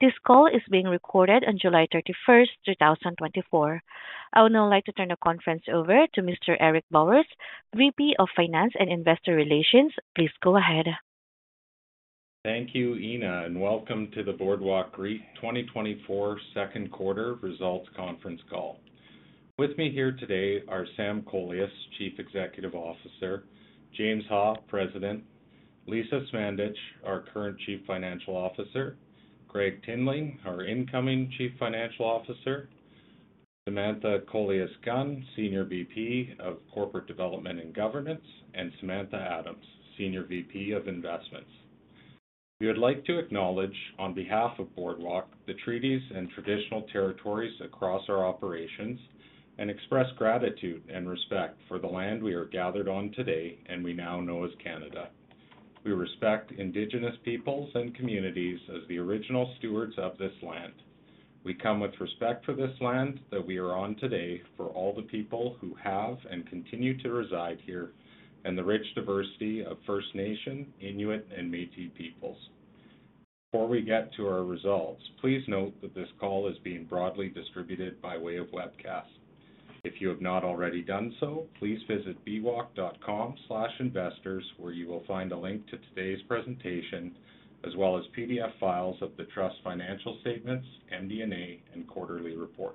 This call is being recorded on July 31st, 2024. I would now like to turn the conference over to Mr. Eric Bowers, VP of Finance and Investor Relations. Please go ahead. Thank you, Ina, and welcome to the Boardwalk REIT 2024 Second Quarter Results Conference Call. With me here today are Sam Kolias, Chief Executive Officer; James Ha, President; Lisa Smandych, our current Chief Financial Officer; Gregg Tinling, our incoming Chief Financial Officer; Samantha Kolias-Gunn, Senior VP of Corporate Development and Governance; and Samantha Adams, Senior VP of Investments. We would like to acknowledge, on behalf of Boardwalk, the treaties and traditional territories across our operations and express gratitude and respect for the land we are gathered on today, and we now know as Canada. We respect Indigenous peoples and communities as the original stewards of this land. We come with respect for this land that we are on today, for all the people who have and continue to reside here, and the rich diversity of First Nation, Inuit, and Métis peoples. Before we get to our results, please note that this call is being broadly distributed by way of webcast. If you have not already done so, please visit bwreit.com/investors, where you will find a link to today's presentation, as well as PDF files of the Trust's financial statements, MD&A, and quarterly report.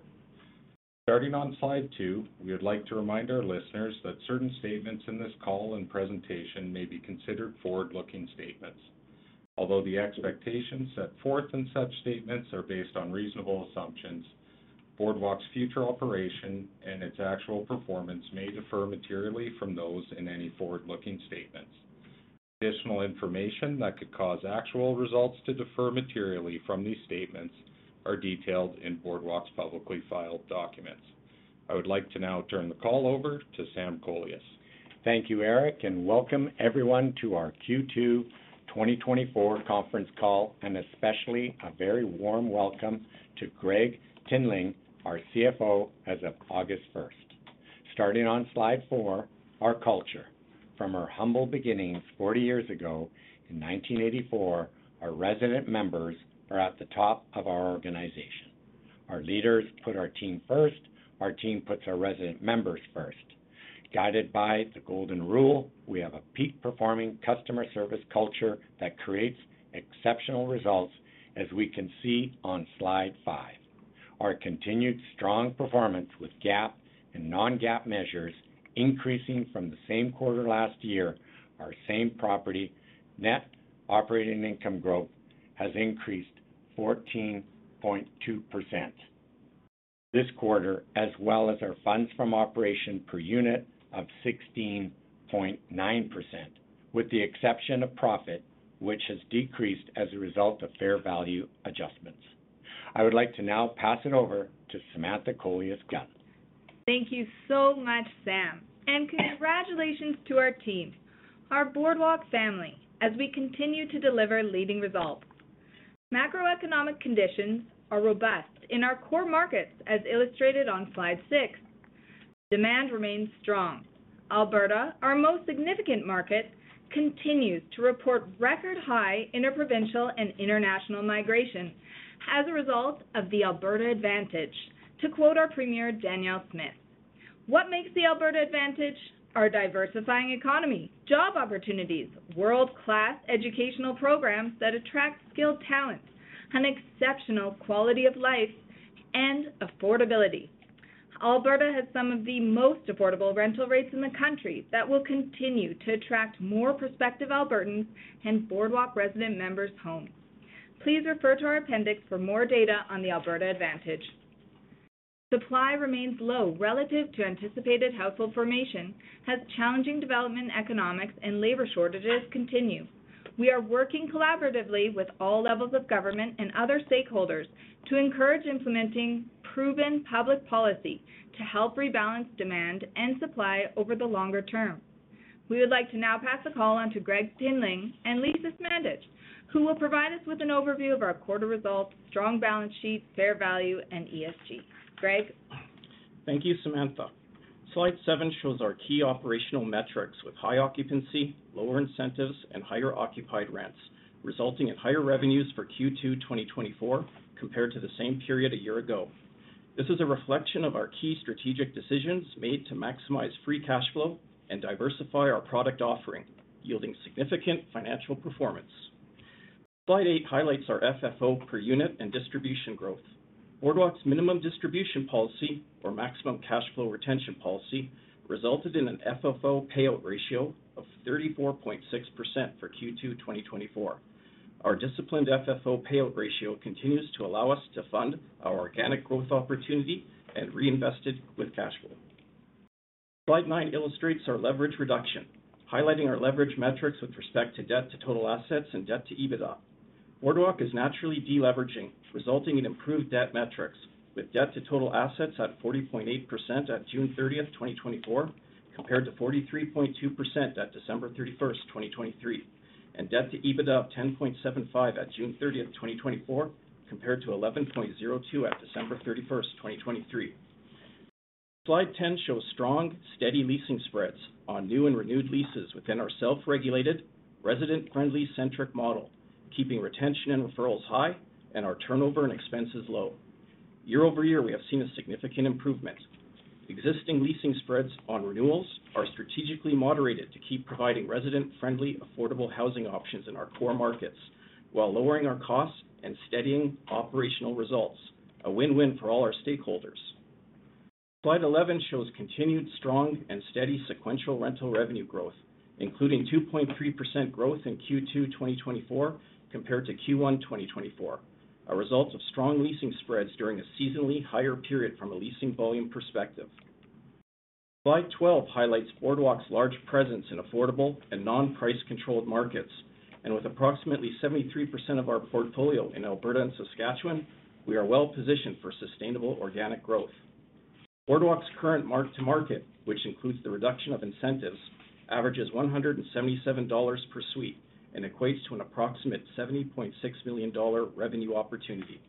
Starting on Slide 2, we would like to remind our listeners that certain statements in this call and presentation may be considered forward-looking statements. Although the expectations set forth in such statements are based on reasonable assumptions, Boardwalk's future operations and its actual performance may differ materially from those in any forward-looking statements. Additional information that could cause actual results to differ materially from these statements is detailed in Boardwalk's publicly filed documents. I would like to now turn the call over to Sam Kolias. Thank you, Eric, and welcome everyone to our Q2 2024 conference call, and especially a very warm welcome to Gregg Tinling, our CFO as of August 1st. Starting on Slide 4, our culture. From our humble beginnings 40 years ago, in 1984, our resident members are at the top of our organization. Our leaders put our team first. Our team puts our resident members first. Guided by the golden rule, we have a peak-performing customer service culture that creates exceptional results, as we can see on Slide 5. Our continued strong performance with GAAP and non-GAAP measures, increasing from the same quarter last year. Our same property net operating income growth has increased 14.2% this quarter, as well as our funds from operation per unit of 16.9%, with the exception of profit, which has decreased as a result of fair value adjustments. I would like to now pass it over to Samantha Kolias-Gunn. Thank you so much, Sam, and congratulations to our team, our Boardwalk family, as we continue to deliver leading results. Macroeconomic conditions are robust in our core markets, as illustrated on Slide 6. Demand remains strong. Alberta, our most significant market, continues to report record-high interprovincial and international migration as a result of the Alberta Advantage, to quote our Premier, Danielle Smith. What makes the Alberta Advantage? Our diversifying economy, job opportunities, world-class educational programs that attract skilled talent, an exceptional quality of life, and affordability. Alberta has some of the most affordable rental rates in the country that will continue to attract more prospective Albertans and Boardwalk resident members home. Please refer to our appendix for more data on the Alberta Advantage. Supply remains low relative to anticipated household formation, as challenging development, economics, and labor shortages continue. We are working collaboratively with all levels of government and other stakeholders to encourage implementing proven public policy to help rebalance demand and supply over the longer term. We would like to now pass the call on to Gregg Tinling and Lisa Smandych, who will provide us with an overview of our quarter results, strong balance sheet, fair value, and ESG. Gregg? Thank you, Samantha. Slide 7 shows our key operational metrics with high occupancy, lower incentives, and higher occupied rents, resulting in higher revenues for Q2 2024 compared to the same period a year ago. This is a reflection of our key strategic decisions made to maximize free cash flow and diversify our product offering, yielding significant financial performance. Slide 8 highlights our FFO per unit and distribution growth. Boardwalk's minimum distribution policy or maximum cash flow retention policy resulted in an FFO payout ratio of 34.6% for Q2 2024. Our disciplined FFO payout ratio continues to allow us to fund our organic growth opportunity and reinvest it with cash flow. Slide 9 illustrates our leverage reduction, highlighting our leverage metrics with respect to debt to total assets and debt to EBITDA. Boardwalk is naturally deleveraging, resulting in improved debt metrics, with debt to total assets at 40.8% at June 30th, 2024, compared to 43.2% at December 31st, 2023, and debt to EBITDA of 10.75 at June 30th, 2024, compared to 11.02 at December 31st, 2023. Slide 10 shows strong, steady leasing spreads on new and renewed leases within our self-regulated, resident-friendly centric model, keeping retention and referrals high and our turnover and expenses low. Year-over-year, we have seen a significant improvement. Existing leasing spreads on renewals are strategically moderated to keep providing resident-friendly, affordable housing options in our core markets, while lowering our costs and steadying operational results. A win-win for all our stakeholders. Slide 11 shows continued strong and steady sequential rental revenue growth, including 2.3% growth in Q2 2024, compared to Q1 2024, a result of strong leasing spreads during a seasonally higher period from a leasing volume perspective. Slide 12 highlights Boardwalk's large presence in affordable and non-price-controlled markets, and with approximately 73% of our portfolio in Alberta and Saskatchewan, we are well-positioned for sustainable organic growth. Boardwalk's current mark-to-market, which includes the reduction of incentives, averages 177 dollars per suite and equates to an approximate 70.6 million dollar revenue opportunity.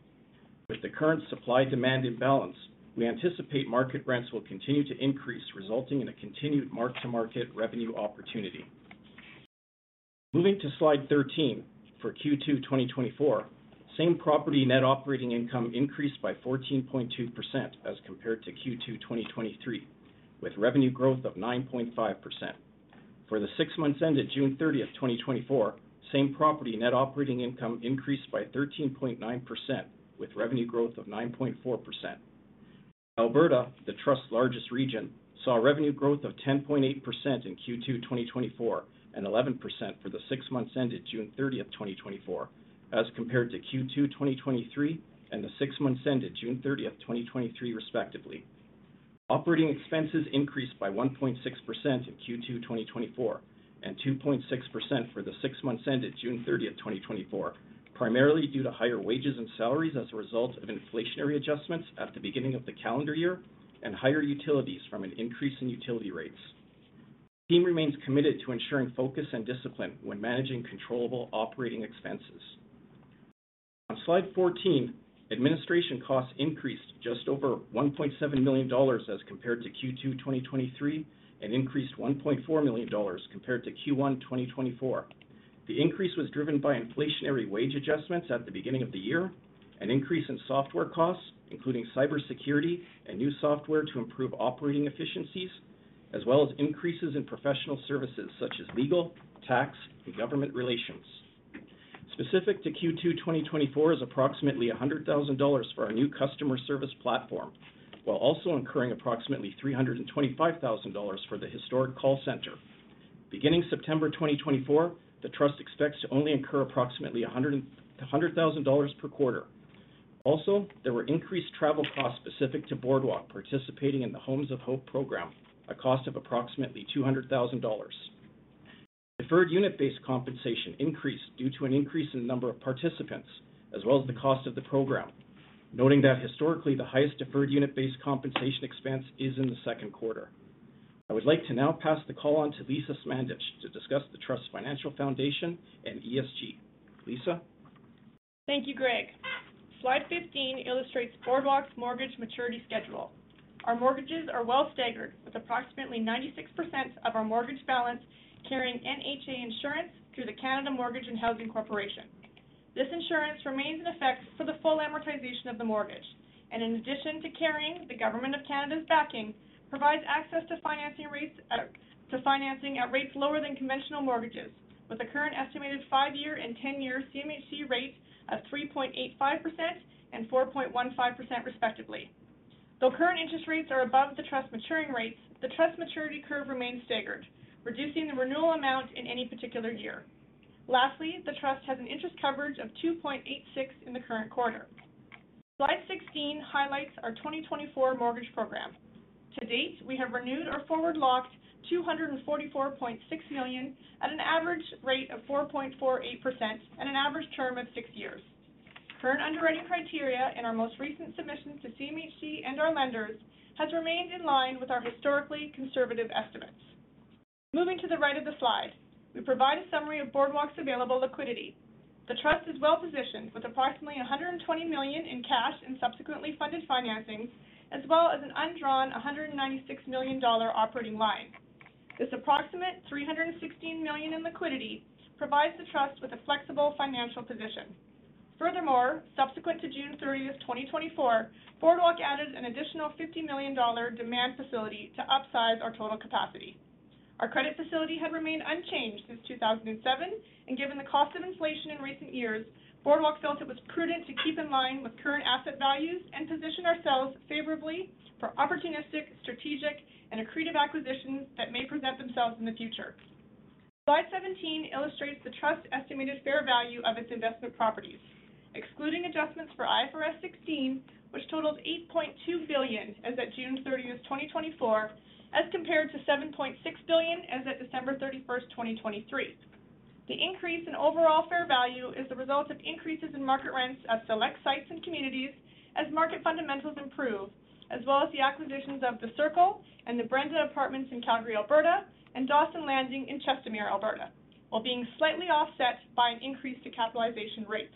With the current supply-demand imbalance, we anticipate market rents will continue to increase, resulting in a continued mark-to-market revenue opportunity. Moving to Slide 13, for Q2 2024, same-property net operating income increased by 14.2% as compared to Q2 2023, with revenue growth of 9.5%. For the six months ended June 30th, 2024, same-property net operating income increased by 13.9%, with revenue growth of 9.4%. Alberta, the trust's largest region, saw a revenue growth of 10.8% in Q2 2024, and 11% for the six months ended June 30th, 2024, as compared to Q2 2023, and the six months ended June 30, 2023, respectively. Operating expenses increased by 1.6% in Q2 2024, and 2.6% for the six months ended June 30th, 2024, primarily due to higher wages and salaries as a result of inflationary adjustments at the beginning of the calendar year and higher utilities from an increase in utility rates. The team remains committed to ensuring focus and discipline when managing controllable operating expenses. On Slide 14, administration costs increased just over CAD $1.7 million as compared to Q2 2023, and increased CAD $1.4 million compared to Q1 2024. The increase was driven by inflationary wage adjustments at the beginning of the year, an increase in software costs, including cybersecurity and new software to improve operating efficiencies, as well as increases in professional services such as legal, tax, and government relations. Specific to Q2 2024 is approximately 100,000 dollars for our new customer service platform, while also incurring approximately 325,000 dollars for the historic call center. Beginning September 2024, the trust expects to only incur approximately 100,000 dollars per quarter. Also, there were increased travel costs specific to Boardwalk participating in the Homes of Hope program, a cost of approximately 200,000 dollars. Deferred unit-based compensation increased due to an increase in the number of participants, as well as the cost of the program, noting that historically, the highest deferred unit-based compensation expense is in the second quarter. I would like to now pass the call on to Lisa Smandych to discuss the Trust's Financial Foundation and ESG. Lisa? Thank you, Gregg. Slide 15 illustrates Boardwalk's mortgage maturity schedule. Our mortgages are well staggered, with approximately 96% of our mortgage balance carrying NHA insurance through the Canada Mortgage and Housing Corporation. This insurance remains in effect for the full amortization of the mortgage, and in addition to carrying the government of Canada's backing, provides access to financing rates, to financing at rates lower than conventional mortgages, with a current estimated five-year and 10-year CMHC rate of 3.85% and 4.15%, respectively. Though current interest rates are above the trust maturing rates, the trust maturity curve remains staggered, reducing the renewal amount in any particular year. Lastly, the trust has an interest coverage of 2.86 in the current quarter. Slide 16 highlights our 2024 mortgage program. To date, we have renewed or forward-locked 244.6 million at an average rate of 4.48% and an average term of six years. Current underwriting criteria in our most recent submissions to CMHC and our lenders has remained in line with our historically conservative estimates. Moving to the right of the slide, we provide a summary of Boardwalk's available liquidity. The trust is well-positioned with approximately 120 million in cash and subsequently funded financing, as well as an undrawn 196 million dollar operating line. This approximate 316 million in liquidity provides the trust with a flexible financial position. Furthermore, subsequent to June 30th, 2024, Boardwalk added an additional 50 million dollar demand facility to upsize our total capacity. Our credit facility had remained unchanged since 2007, and given the cost of inflation in recent years, Boardwalk felt it was prudent to keep in line with current asset values and position ourselves favorably for opportunistic, strategic, and accretive acquisitions that may present themselves in the future. Slide 17 illustrates the trust's estimated fair value of its investment properties, excluding adjustments for IFRS 16, which totals 8.2 billion as at June 30th, 2024, as compared to 7.6 billion as at December 31, 2023. The increase in overall fair value is the result of increases in market rents at select sites and communities as market fundamentals improve, as well as the acquisitions of The Circle and The Brenda Apartments in Calgary, Alberta, and Dawson Landing in Chestermere, Alberta, while being slightly offset by an increase to capitalization rates.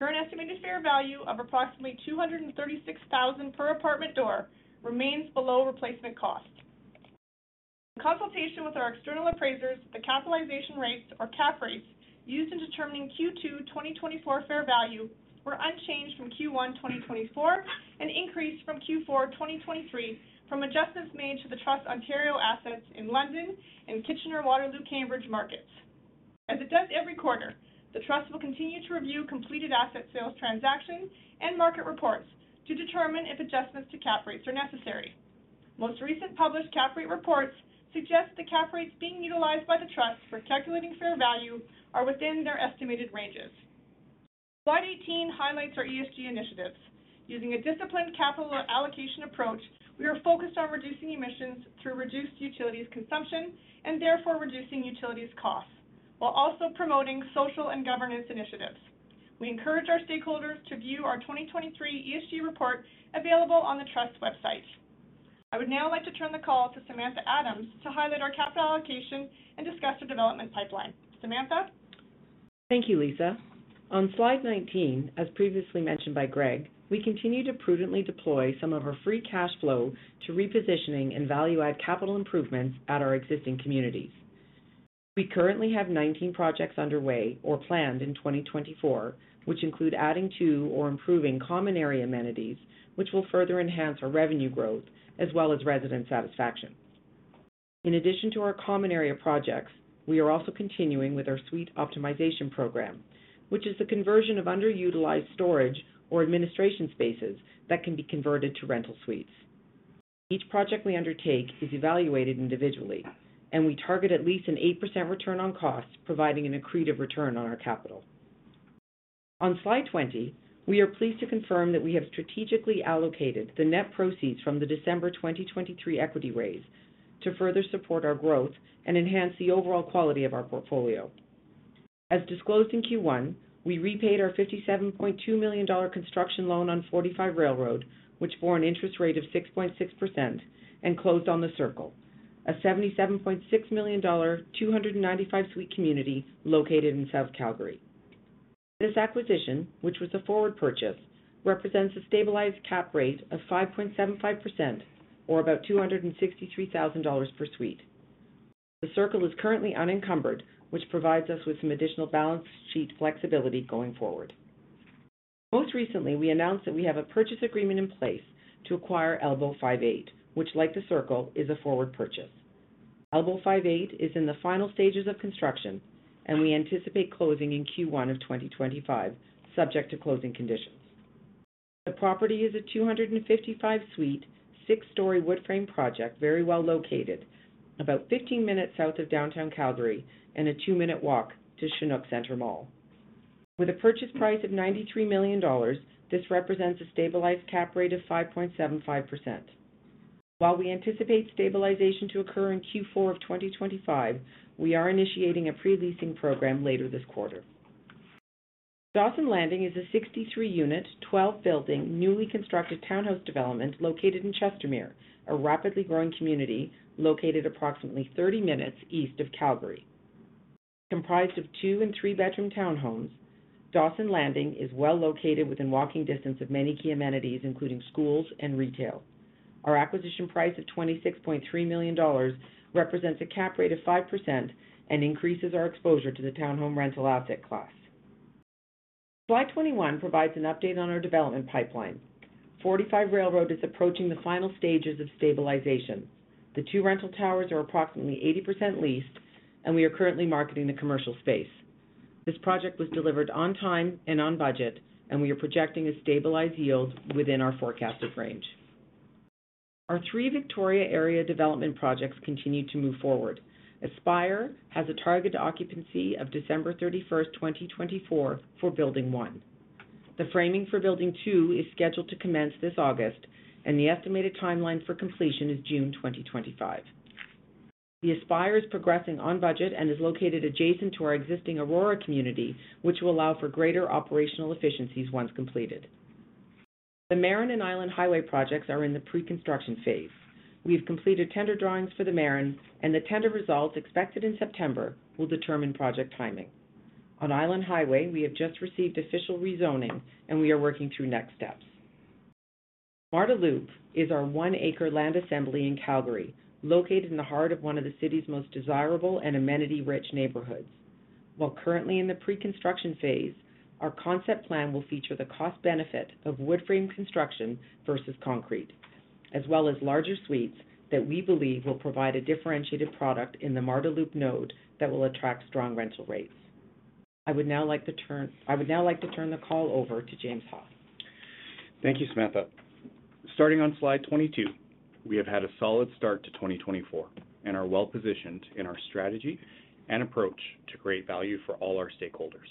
Current estimated fair value of approximately 236,000 per apartment door remains below replacement cost. In consultation with our external appraisers, the capitalization rates or cap rates, used in determining Q2 2024 fair value were unchanged from Q1 2024, and increased from Q4 2023 from adjustments made to the Trust's Ontario assets in London and Kitchener-Waterloo-Cambridge markets. As it does every quarter, the Trust will continue to review completed asset sales transactions and market reports to determine if adjustments to cap rates are necessary. Most recent published cap rate reports suggest the cap rates being utilized by the Trust for calculating fair value are within their estimated ranges. Slide 18 highlights our ESG initiatives. Using a disciplined capital allocation approach, we are focused on reducing emissions through reduced utilities consumption, and therefore reducing utilities costs, while also promoting social and governance initiatives. We encourage our stakeholders to view our 2023 ESG report, available on the Trust website. I would now like to turn the call to Samantha Adams to highlight our capital allocation and discuss the development pipeline. Samantha? Thank you, Lisa. On Slide 19, as previously mentioned by Gregg, we continue to prudently deploy some of our free cash flow to repositioning and value-add capital improvements at our existing communities. We currently have 19 projects underway or planned in 2024, which include adding to or improving common area amenities, which will further enhance our revenue growth as well as resident satisfaction. In addition to our common area projects, we are also continuing with our Suite Optimization Program, which is the conversion of underutilized storage or administration spaces that can be converted to rental suites. Each project we undertake is evaluated individually, and we target at least an 8% return on cost, providing an accretive return on our capital. On Slide 20, we are pleased to confirm that we have strategically allocated the net proceeds from the December 2023 equity raise to further support our growth and enhance the overall quality of our portfolio. As disclosed in Q1, we repaid our 57.2 million dollar construction loan on 45 Railroad, which bore an interest rate of 6.6% and closed on The Circle, a 77.6 million dollar, 295-suite community located in South Calgary. This acquisition, which was a forward purchase, represents a stabilized cap rate of 5.75%, or about 263,000 dollars per suite. The Circle is currently unencumbered, which provides us with some additional balance sheet flexibility going forward. Most recently, we announced that we have a purchase agreement in place to acquire Elbow 5 Eight, which, like The Circle, is a forward purchase. Elbow 5 Eight is in the final stages of construction, and we anticipate closing in Q1 of 2025, subject to closing conditions. The property is a 255-suite, six-story wood frame project, very well located, about 15 minutes south of downtown Calgary, and a two-minute walk to Chinook Centre Mall. With a purchase price of 93 million dollars, this represents a stabilized cap rate of 5.75%. While we anticipate stabilization to occur in Q4 of 2025, we are initiating a pre-leasing program later this quarter. Dawson Landing is a 63-unit, 12-building, newly constructed townhouse development located in Chestermere, a rapidly growing community located approximately 30 minutes east of Calgary. Comprised of two and three-bedroom townhomes, Dawson Landing is well located within walking distance of many key amenities, including schools and retail. Our acquisition price of 26.3 million dollars represents a cap rate of 5% and increases our exposure to the townhome rental asset class. Slide 21 provides an update on our development pipeline. 45 Railroad is approaching the final stages of stabilization. The two rental towers are approximately 80% leased, and we are currently marketing the commercial space. This project was delivered on time and on budget, and we are projecting a stabilized yield within our forecasted range. Our three Victoria area development projects continue to move forward. Aspire has a target occupancy of December 31st, 2024 for building one. The framing for building two is scheduled to commence this August, and the estimated timeline for completion is June 2025. The Aspire is progressing on budget and is located adjacent to our existing Aurora community, which will allow for greater operational efficiencies once completed. The Marin and Island Highway projects are in the pre-construction phase. We've completed tender drawings for the Marin, and the tender results, expected in September, will determine project timing. On Island Highway, we have just received official rezoning, and we are working through next steps. Marda Loop is our one-acre land assembly in Calgary, located in the heart of one of the city's most desirable and amenity-rich neighborhoods. While currently in the pre-construction phase, our concept plan will feature the cost benefit of wood frame construction versus concrete, as well as larger suites that we believe will provide a differentiated product in the Marda Loop node that will attract strong rental rates. I would now like to turn the call over to James Ha. Thank you, Samantha. Starting on Slide 22, we have had a solid start to 2024 and are well positioned in our strategy and approach to create value for all our stakeholders.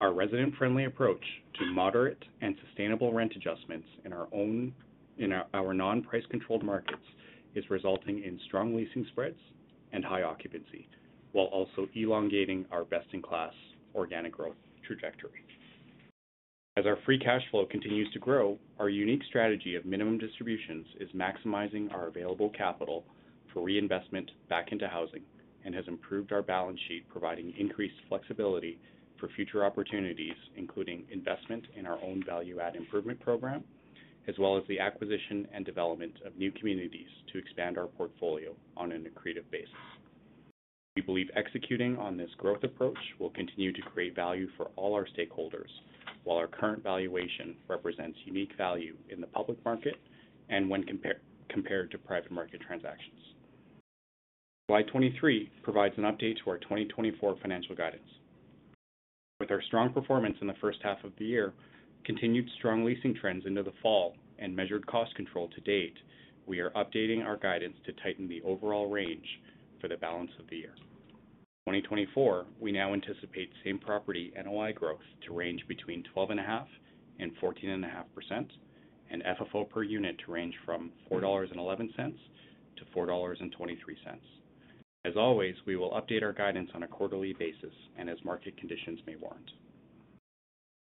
Our resident-friendly approach to moderate and sustainable rent adjustments in our non-price-controlled markets is resulting in strong leasing spreads and high occupancy, while also elongating our best-in-class organic growth trajectory. As our free cash flow continues to grow, our unique strategy of minimum distributions is maximizing our available capital for reinvestment back into housing and has improved our balance sheet, providing increased flexibility for future opportunities, including investment in our own value add improvement program, as well as the acquisition and development of new communities to expand our portfolio on an accretive basis. We believe executing on this growth approach will continue to create value for all our stakeholders, while our current valuation represents unique value in the public market and when compared to private market transactions. Slide 23 provides an update to our 2024 financial guidance. With our strong performance in the first half of the year, continued strong leasing trends into the fall, and measured cost control to date, we are updating our guidance to tighten the overall range for the balance of the year. 2024, we now anticipate same property NOI growth to range between 12.5%-14.5%, and FFO per unit to range from 4.11 dollars - 4.23. As always, we will update our guidance on a quarterly basis and as market conditions may warrant.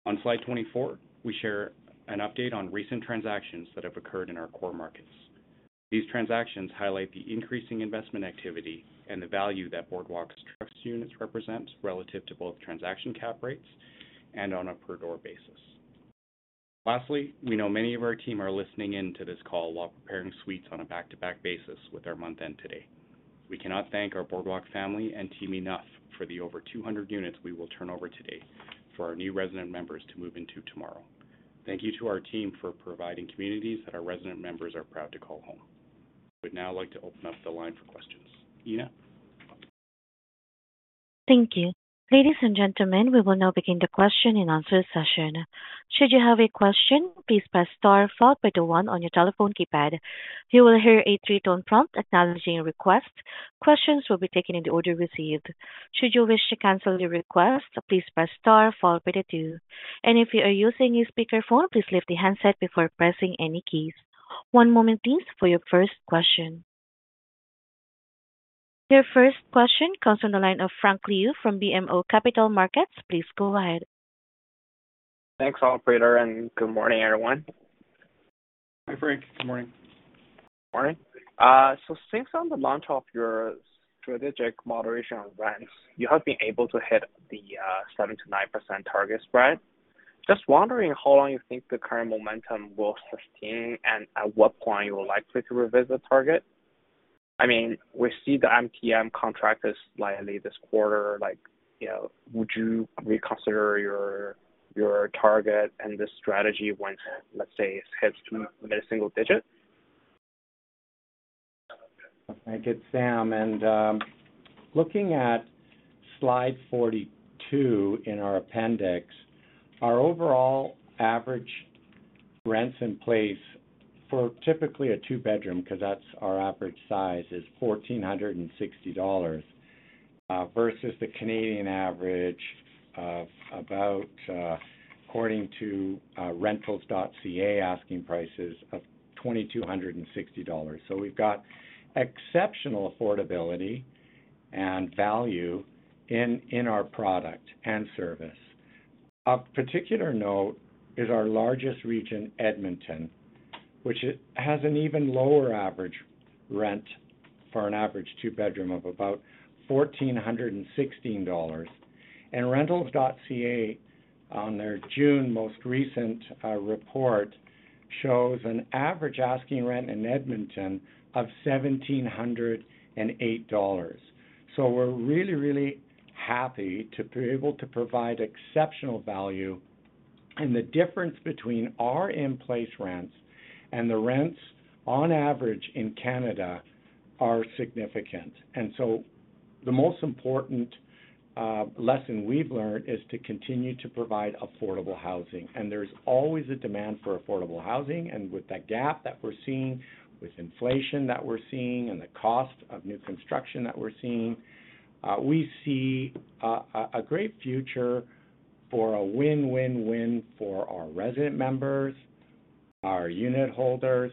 On Slide 24, we share an update on recent transactions that have occurred in our core markets. These transactions highlight the increasing investment activity and the value that Boardwalk's trust units represent, relative to both transaction cap rates and on a per door basis. Lastly, we know many of our team are listening in to this call while preparing suites on a back-to-back basis with our month-end today. We cannot thank our Boardwalk family and team enough for the over 200 units we will turn over today for our new resident members to move into tomorrow. Thank you to our team for providing communities that our resident members are proud to call home. I would now like to open up the line for questions. Ina? Thank you. Ladies and gentlemen, we will now begin the question and answer session. Should you have a question, please press star followed by the one on your telephone keypad. You will hear a three-tone prompt acknowledging your request. Questions will be taken in the order received. Should you wish to cancel your request, please press star followed by the two. If you are using a speakerphone, please lift the handset before pressing any keys. One moment please, for your first question. Your first question comes on the line of Frank Liu from BMO Capital Markets. Please go ahead. Thanks, operator, and good morning, everyone. Hi, Frank. Good morning. Morning. So since on the launch of your strategic moderation on rents, you have been able to hit the 7%-9% target spread. Just wondering how long you think the current momentum will sustain, and at what point you are likely to revisit target? I mean, we see the MTM contraction is slightly this quarter. Like, you know, would you reconsider your, your target and the strategy when, let's say, it heads to a mid-single digit? Thank you. It's Sam, and looking at Slide 42 in our appendix, our overall average rents in place for typically a two bedroom, because that's our average size, is 1,460 dollars versus the Canadian average of about, according to Rentals.ca, asking prices of 2,260 dollars. So we've got exceptional affordability and value in our product and service. Of particular note is our largest region, Edmonton, which it has an even lower average rent for an average two bedroom of about 1,416 dollars. And Rentals.ca, on their June most recent report, shows an average asking rent in Edmonton of 1,708 dollars. So we're really, really happy to be able to provide exceptional value, and the difference between our in-place rents and the rents on average in Canada are significant. And so the most important lesson we've learned is to continue to provide affordable housing, and there's always a demand for affordable housing. And with that gap that we're seeing, with inflation that we're seeing, and the cost of new construction that we're seeing, we see a great future for a win-win-win for our resident members, our unit holders,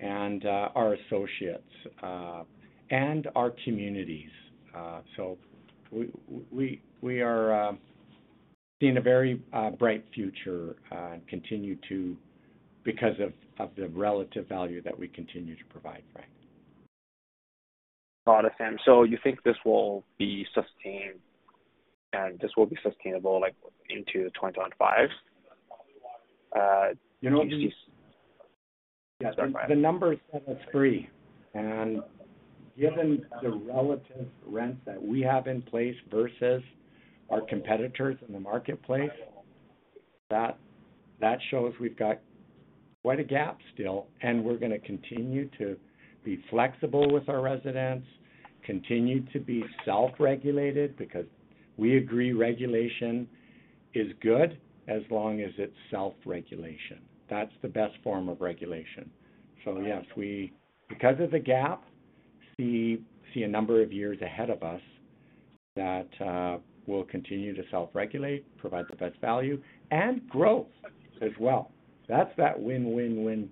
and our associates, and our communities. So we are seeing a very bright future continue to because of the relative value that we continue to provide, Frank. Got it, Sam. So you think this will be sustained, and this will be sustainable, like, into the 2025s? You know, the number is kind of three, and given the relative rents that we have in place versus our competitors in the marketplace, that shows we've got quite a gap still. And we're gonna continue to be flexible with our residents, continue to be self-regulated, because we agree regulation is good as long as it's self-regulation. That's the best form of regulation. So yes, we, because of the gap, see a number of years ahead of us that we'll continue to self-regulate, provide the best value, and growth as well. That's that win-win-win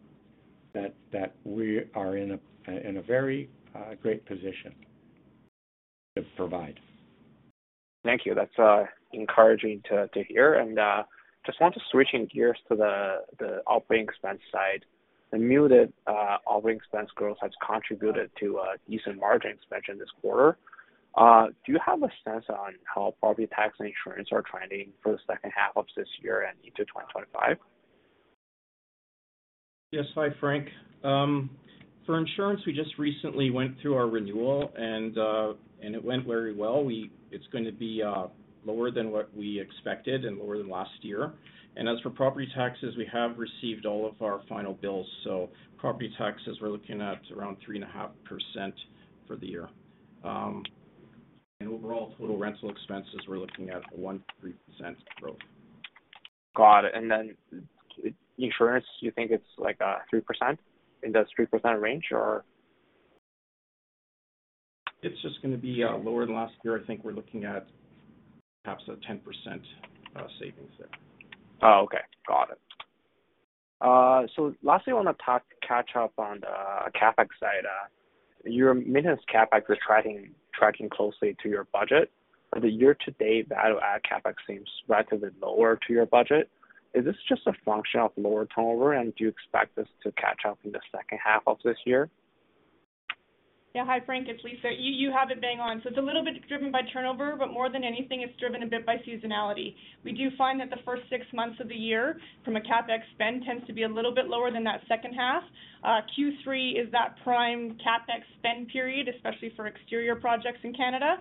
that we are in a very great position. To provide. Thank you. That's encouraging to hear. Just want to switching gears to the operating expense side. The muted operating expense growth has contributed to a decent margin expansion this quarter. Do you have a sense on how property tax and insurance are trending for the second half of this year and into 2025? Yes. Hi, Frank. For insurance, we just recently went through our renewal, and it went very well. It's going to be lower than what we expected and lower than last year. And as for property taxes, we have received all of our final bills. So property taxes, we're looking at around 3.5% for the year. And overall, total rental expenses, we're looking at a 1%-3% growth. Got it. And then insurance, you think it's like 3%, in the 3% range, or? It's just gonna be, lower than last year. I think we're looking at perhaps a 10%, savings there. Oh, okay. Got it. So lastly, I wanna talk, catch up on the CapEx side. Your maintenance CapEx is tracking closely to your budget. For the year-to-date, value add CapEx seems relatively lower to your budget. Is this just a function of lower turnover, and do you expect this to catch up in the second half of this year? Yeah. Hi, Frank, it's Lisa. You have it bang on. So it's a little bit driven by turnover, but more than anything, it's driven a bit by seasonality. We do find that the first six months of the year from a CapEx spend tends to be a little bit lower than that second half. Q3 is that prime CapEx spend period, especially for exterior projects in Canada.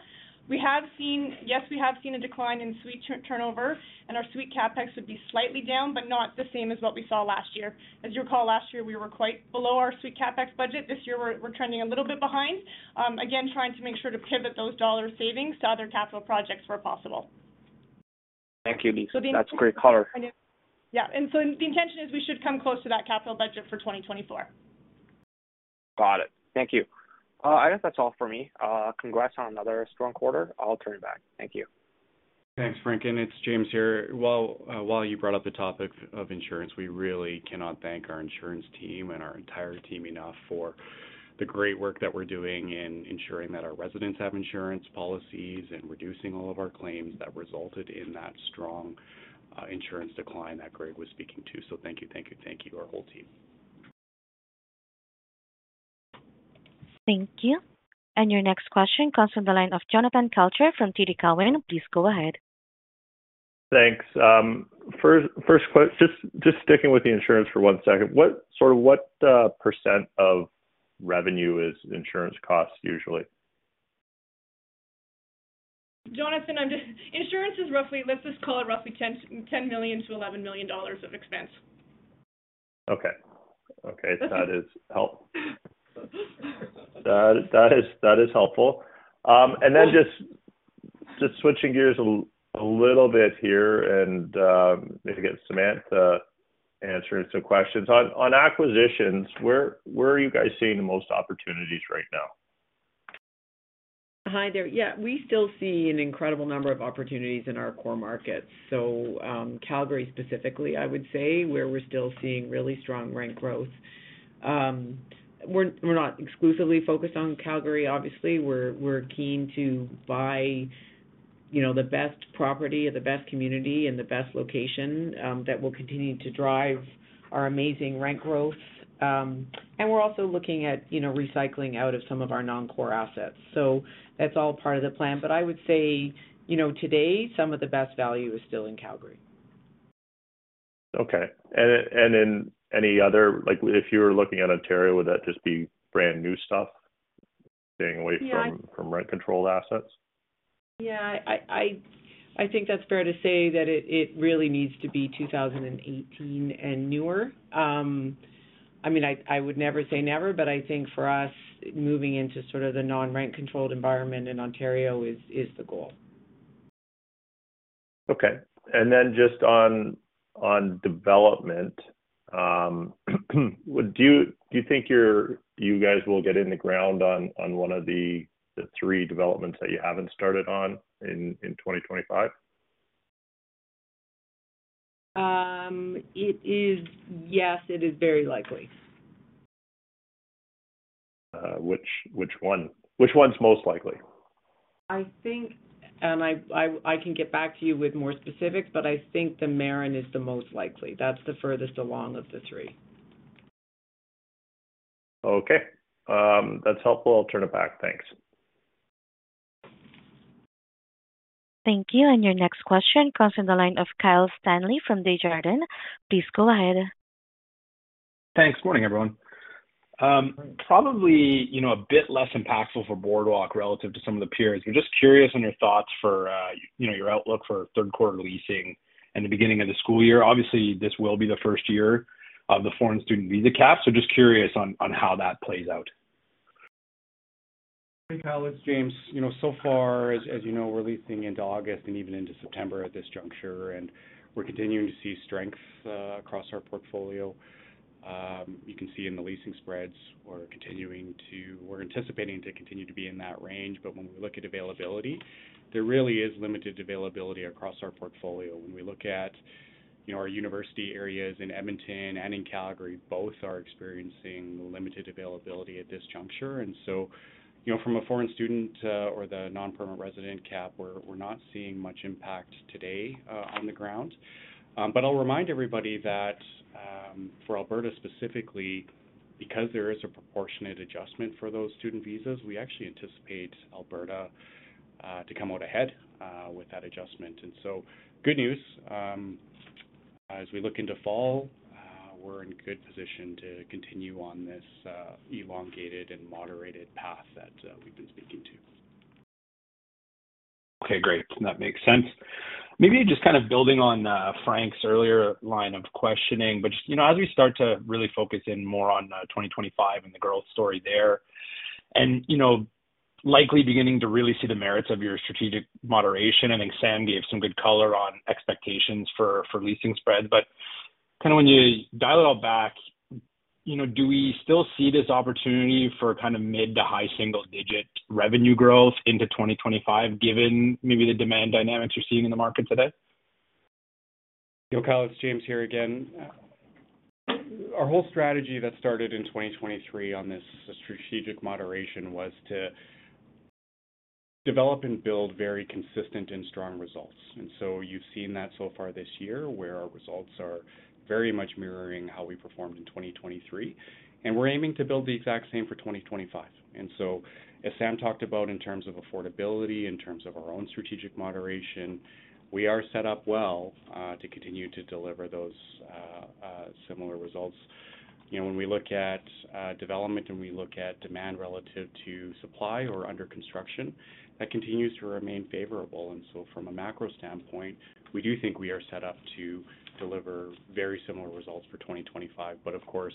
We have seen. Yes, we have seen a decline in suite turnover, and our suite CapEx would be slightly down, but not the same as what we saw last year. As you recall, last year, we were quite below our suite CapEx budget. This year, we're trending a little bit behind. Again, trying to make sure to pivot those dollar savings to other capital projects where possible. Thank you, Lisa. So the- That's great color. I know. Yeah, and so the intention is we should come close to that capital budget for 2024. Got it. Thank you. I guess that's all for me. Congrats on another strong quarter. I'll turn it back. Thank you. Thanks, Frank, and it's James here. Well, while you brought up the topic of insurance, we really cannot thank our insurance team and our entire team enough for the great work that we're doing in ensuring that our residents have insurance policies and reducing all of our claims that resulted in that strong, insurance decline that Gregg was speaking to. So thank you, thank you, thank you, our whole team. Thank you. Your next question comes from the line of Jonathan Kelcher from TD Cowen. Please go ahead. Thanks. First, just sticking with the insurance for one second. What sort of percent of revenue is insurance costs usually? Jonathan, insurance is roughly, let's just call it roughly 10 million-11 million dollars of expense. Okay. That is helpful. And then just switching gears a little bit here and maybe get Samantha answering some questions. On acquisitions, where are you guys seeing the most opportunities right now? Hi there. Yeah, we still see an incredible number of opportunities in our core markets. So, Calgary, specifically, I would say, where we're still seeing really strong rent growth. We're not exclusively focused on Calgary, obviously. We're keen to buy, you know, the best property or the best community and the best location, that will continue to drive our amazing rent growth. And we're also looking at, you know, recycling out of some of our non-core assets. So that's all part of the plan. But I would say, you know, today, some of the best value is still in Calgary. Okay. And in any other—like, if you were looking at Ontario, would that just be brand-new stuff, staying away from— Yeah... from rent-controlled assets? Yeah, I think that's fair to say that it really needs to be 2018 and newer. I mean, I would never say never, but I think for us, moving into sort of the non-rent-controlled environment in Ontario is the goal. Okay. And then just on development, would you guys get in the ground on one of the three developments that you haven't started on in 2025? It is. Yes, it is very likely. Which one? Which one's most likely? I think I can get back to you with more specifics, but I think The Marin is the most likely. That's the furthest along of the three. Okay. That's helpful. I'll turn it back. Thanks. Thank you. And your next question comes from the line of Kyle Stanley from Desjardins. Please go ahead. Thanks. Morning, everyone. Probably, you know, a bit less impactful for Boardwalk relative to some of the peers. I'm just curious on your thoughts for, you know, your outlook for third quarter leasing and the beginning of the school year. Obviously, this will be the first year of the foreign student visa cap, so just curious on how that plays out. Hey, Kyle, it's James. You know, so far as, as you know, we're leasing into August and even into September at this juncture, and we're continuing to see strength across our portfolio. You can see in the leasing spreads, we're continuing to. We're anticipating to continue to be in that range, but when we look at availability, there really is limited availability across our portfolio. When we look at, you know, our university areas in Edmonton and in Calgary both are experiencing limited availability at this juncture. And so, you know, from a foreign student or the non-permanent resident cap, we're, we're not seeing much impact today on the ground. But I'll remind everybody that, for Alberta specifically, because there is a proportionate adjustment for those student visas, we actually anticipate Alberta to come out ahead with that adjustment. And so good news. As we look into fall, we're in a good position to continue on this elongated and moderated path that we've been speaking to. Okay, great. That makes sense. Maybe just kind of building on Frank's earlier line of questioning, but just, you know, as we start to really focus in more on 2025 and the growth story there, and, you know, likely beginning to really see the merits of your strategic moderation. I think Sam gave some good color on expectations for leasing spread. But kinda when you dial it all back, you know, do we still see this opportunity for kind of mid to high single digit revenue growth into 2025, given maybe the demand dynamics you're seeing in the market today? Yeah, Kyle, it's James here again. Our whole strategy that started in 2023 on this strategic moderation was to develop and build very consistent and strong results. And so you've seen that so far this year, where our results are very much mirroring how we performed in 2023, and we're aiming to build the exact same for 2025. And so as Sam talked about in terms of affordability, in terms of our own strategic moderation, we are set up well to continue to deliver those similar results. You know, when we look at development and we look at demand relative to supply or under construction, that continues to remain favorable. And so from a macro standpoint, we do think we are set up to deliver very similar results for 2025. Of course,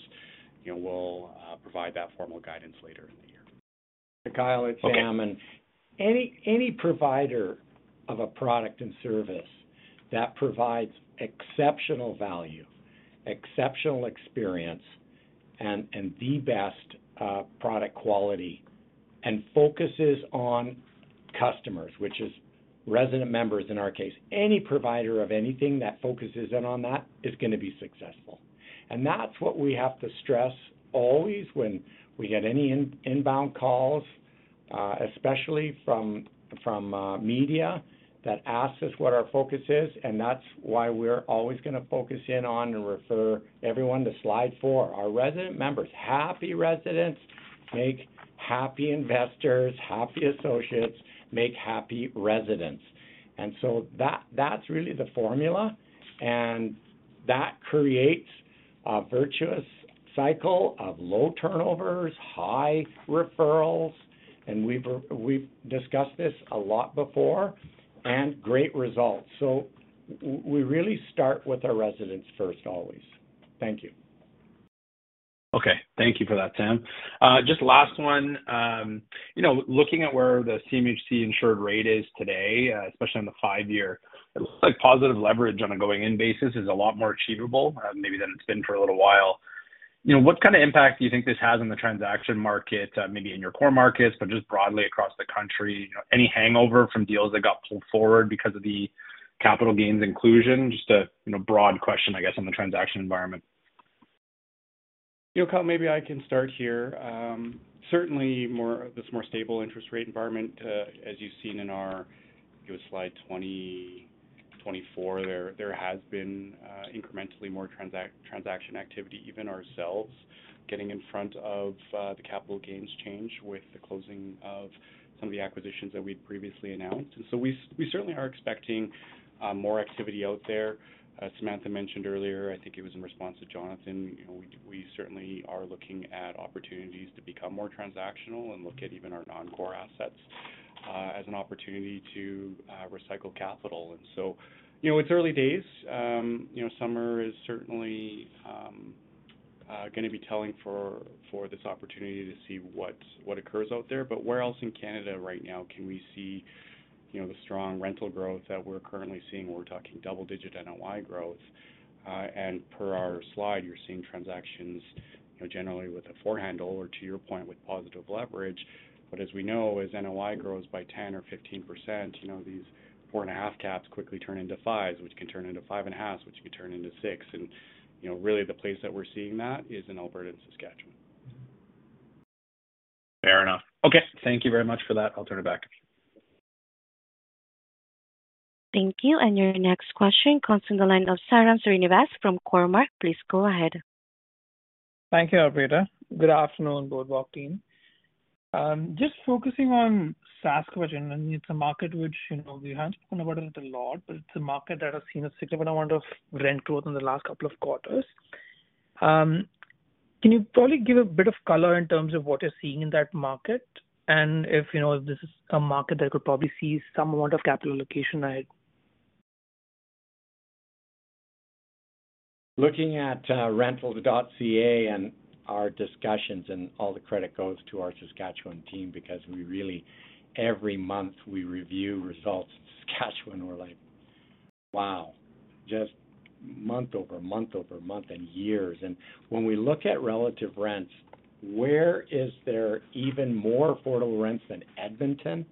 you know, we'll provide that formal guidance later in the year. Kyle, it's Sam. Okay. Any provider of a product and service that provides exceptional value, exceptional experience, and the best product quality and focuses on customers, which is resident members, in our case, any provider of anything that focuses in on that, is gonna be successful. That's what we have to stress always when we get any inbound calls, especially from media, that asks us what our focus is, and that's why we're always gonna focus in on and refer everyone to Slide 4. Our resident members, happy residents make happy investors, happy associates make happy residents. That's really the formula, and that creates a virtuous cycle of low turnovers, high referrals, and we've discussed this a lot before, and great results. We really start with our residents first, always. Thank you. Okay, thank you for that, Sam. Just last one. You know, looking at where the CMHC insured rate is today, especially on the five-year, it looks like positive leverage on a going-in basis is a lot more achievable, maybe than it's been for a little while. You know, what kind of impact do you think this has on the transaction market, maybe in your core markets, but just broadly across the country? You know, any hangover from deals that got pulled forward because of the capital gains inclusion? Just you know, broad question, I guess, on the transaction environment. Yeah, Kyle, maybe I can start here. Certainly more, this more stable interest rate environment, as you've seen in our, I think it was Slide 20-24, there has been, incrementally more transaction activity, even ourselves, getting in front of, the capital gains change with the closing of some of the acquisitions that we'd previously announced. And so we, we certainly are expecting, more activity out there. Samantha mentioned earlier, I think it was in response to Jonathan, you know, we, we certainly are looking at opportunities to become more transactional and look at even our non-core assets, as an opportunity to, recycle capital. And so, you know, it's early days. You know, summer is certainly, gonna be telling for, for this opportunity to see what occurs out there. Where else in Canada right now can we see, you know, the strong rental growth that we're currently seeing? We're talking double-digit NOI growth. And per our slide, you're seeing transactions, you know, generally with a four-handle or, to your point, with positive leverage. But as we know, as NOI grows by 10% or 15%, you know, these 4.5 caps quickly turn into 5s, which can turn into 5.5s, which can turn into 6. And, you know, really the place that we're seeing that is in Alberta and Saskatchewan. Fair enough. Okay, thank you very much for that. I'll turn it back. Thank you. Your next question comes from the line of Sairam Srinivas from Cormark. Please go ahead. Thank you, operator. Good afternoon, Boardwalk team. Just focusing on Saskatchewan, and it's a market which, you know, we haven't spoken about it a lot, but it's a market that has seen a significant amount of rent growth in the last couple of quarters. Can you probably give a bit of color in terms of what you're seeing in that market? And, you know, this is a market that could probably see some amount of capital allocation right? Looking at Rentals.ca and our discussions, and all the credit goes to our Saskatchewan team, because we really every month we review results in Saskatchewan, we're like, "Wow!" Just month-over-month, over month and years. And when we look at relative rents. Where is there even more affordable rents than Edmonton?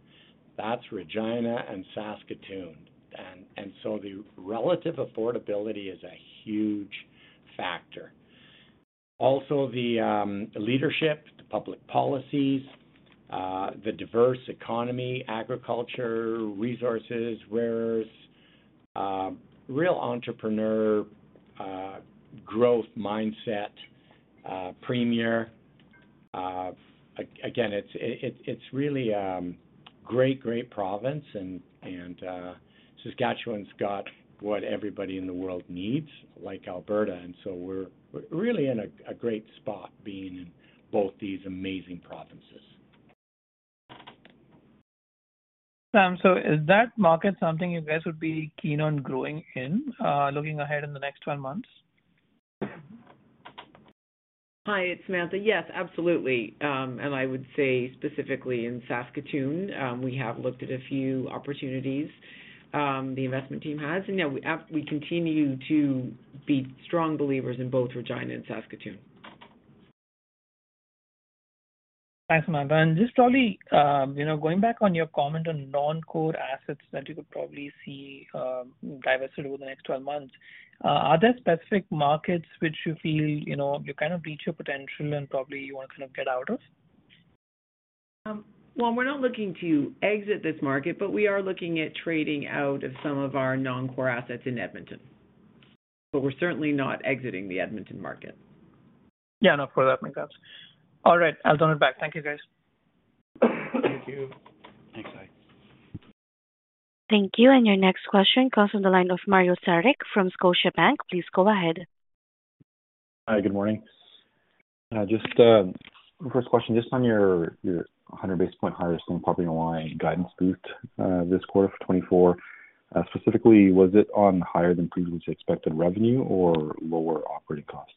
That's Regina and Saskatoon. And so the relative affordability is a huge factor. Also, the leadership, the public policies, the diverse economy, agriculture, resources, whereas real entrepreneur growth mindset, premier. Again, it's really a great, great province and, Saskatchewan's got what everybody in the world needs, like Alberta. And so we're really in a great spot, being in both these amazing provinces. Is that market something you guys would be keen on growing in, looking ahead in the next 12 months? Hi, it's Samantha. Yes, absolutely. I would say specifically in Saskatoon, we have looked at a few opportunities, the investment team has. Yeah, we continue to be strong believers in both Regina and Saskatoon. Thanks, Samantha. And just probably, you know, going back on your comment on non-core assets that you could probably see, diversity over the next 12 months, are there specific markets which you feel, you know, you kind of reach your potential and probably you want to kind of get out of? Well, we're not looking to exit this market, but we are looking at trading out of some of our non-core assets in Edmonton. We're certainly not exiting the Edmonton market. Yeah, no, further, that makes sense. All right, I'll turn it back. Thank you, guys. Thank you. Thanks, guys. Thank you, and your next question comes from the line of Mario Saric from Scotiabank. Please go ahead. Hi, good morning. Just, first question, just on your, your 100 basis point higher Same Property NOI guidance boost, this quarter for 2024. Specifically, was it on higher than previously expected revenue or lower operating costs?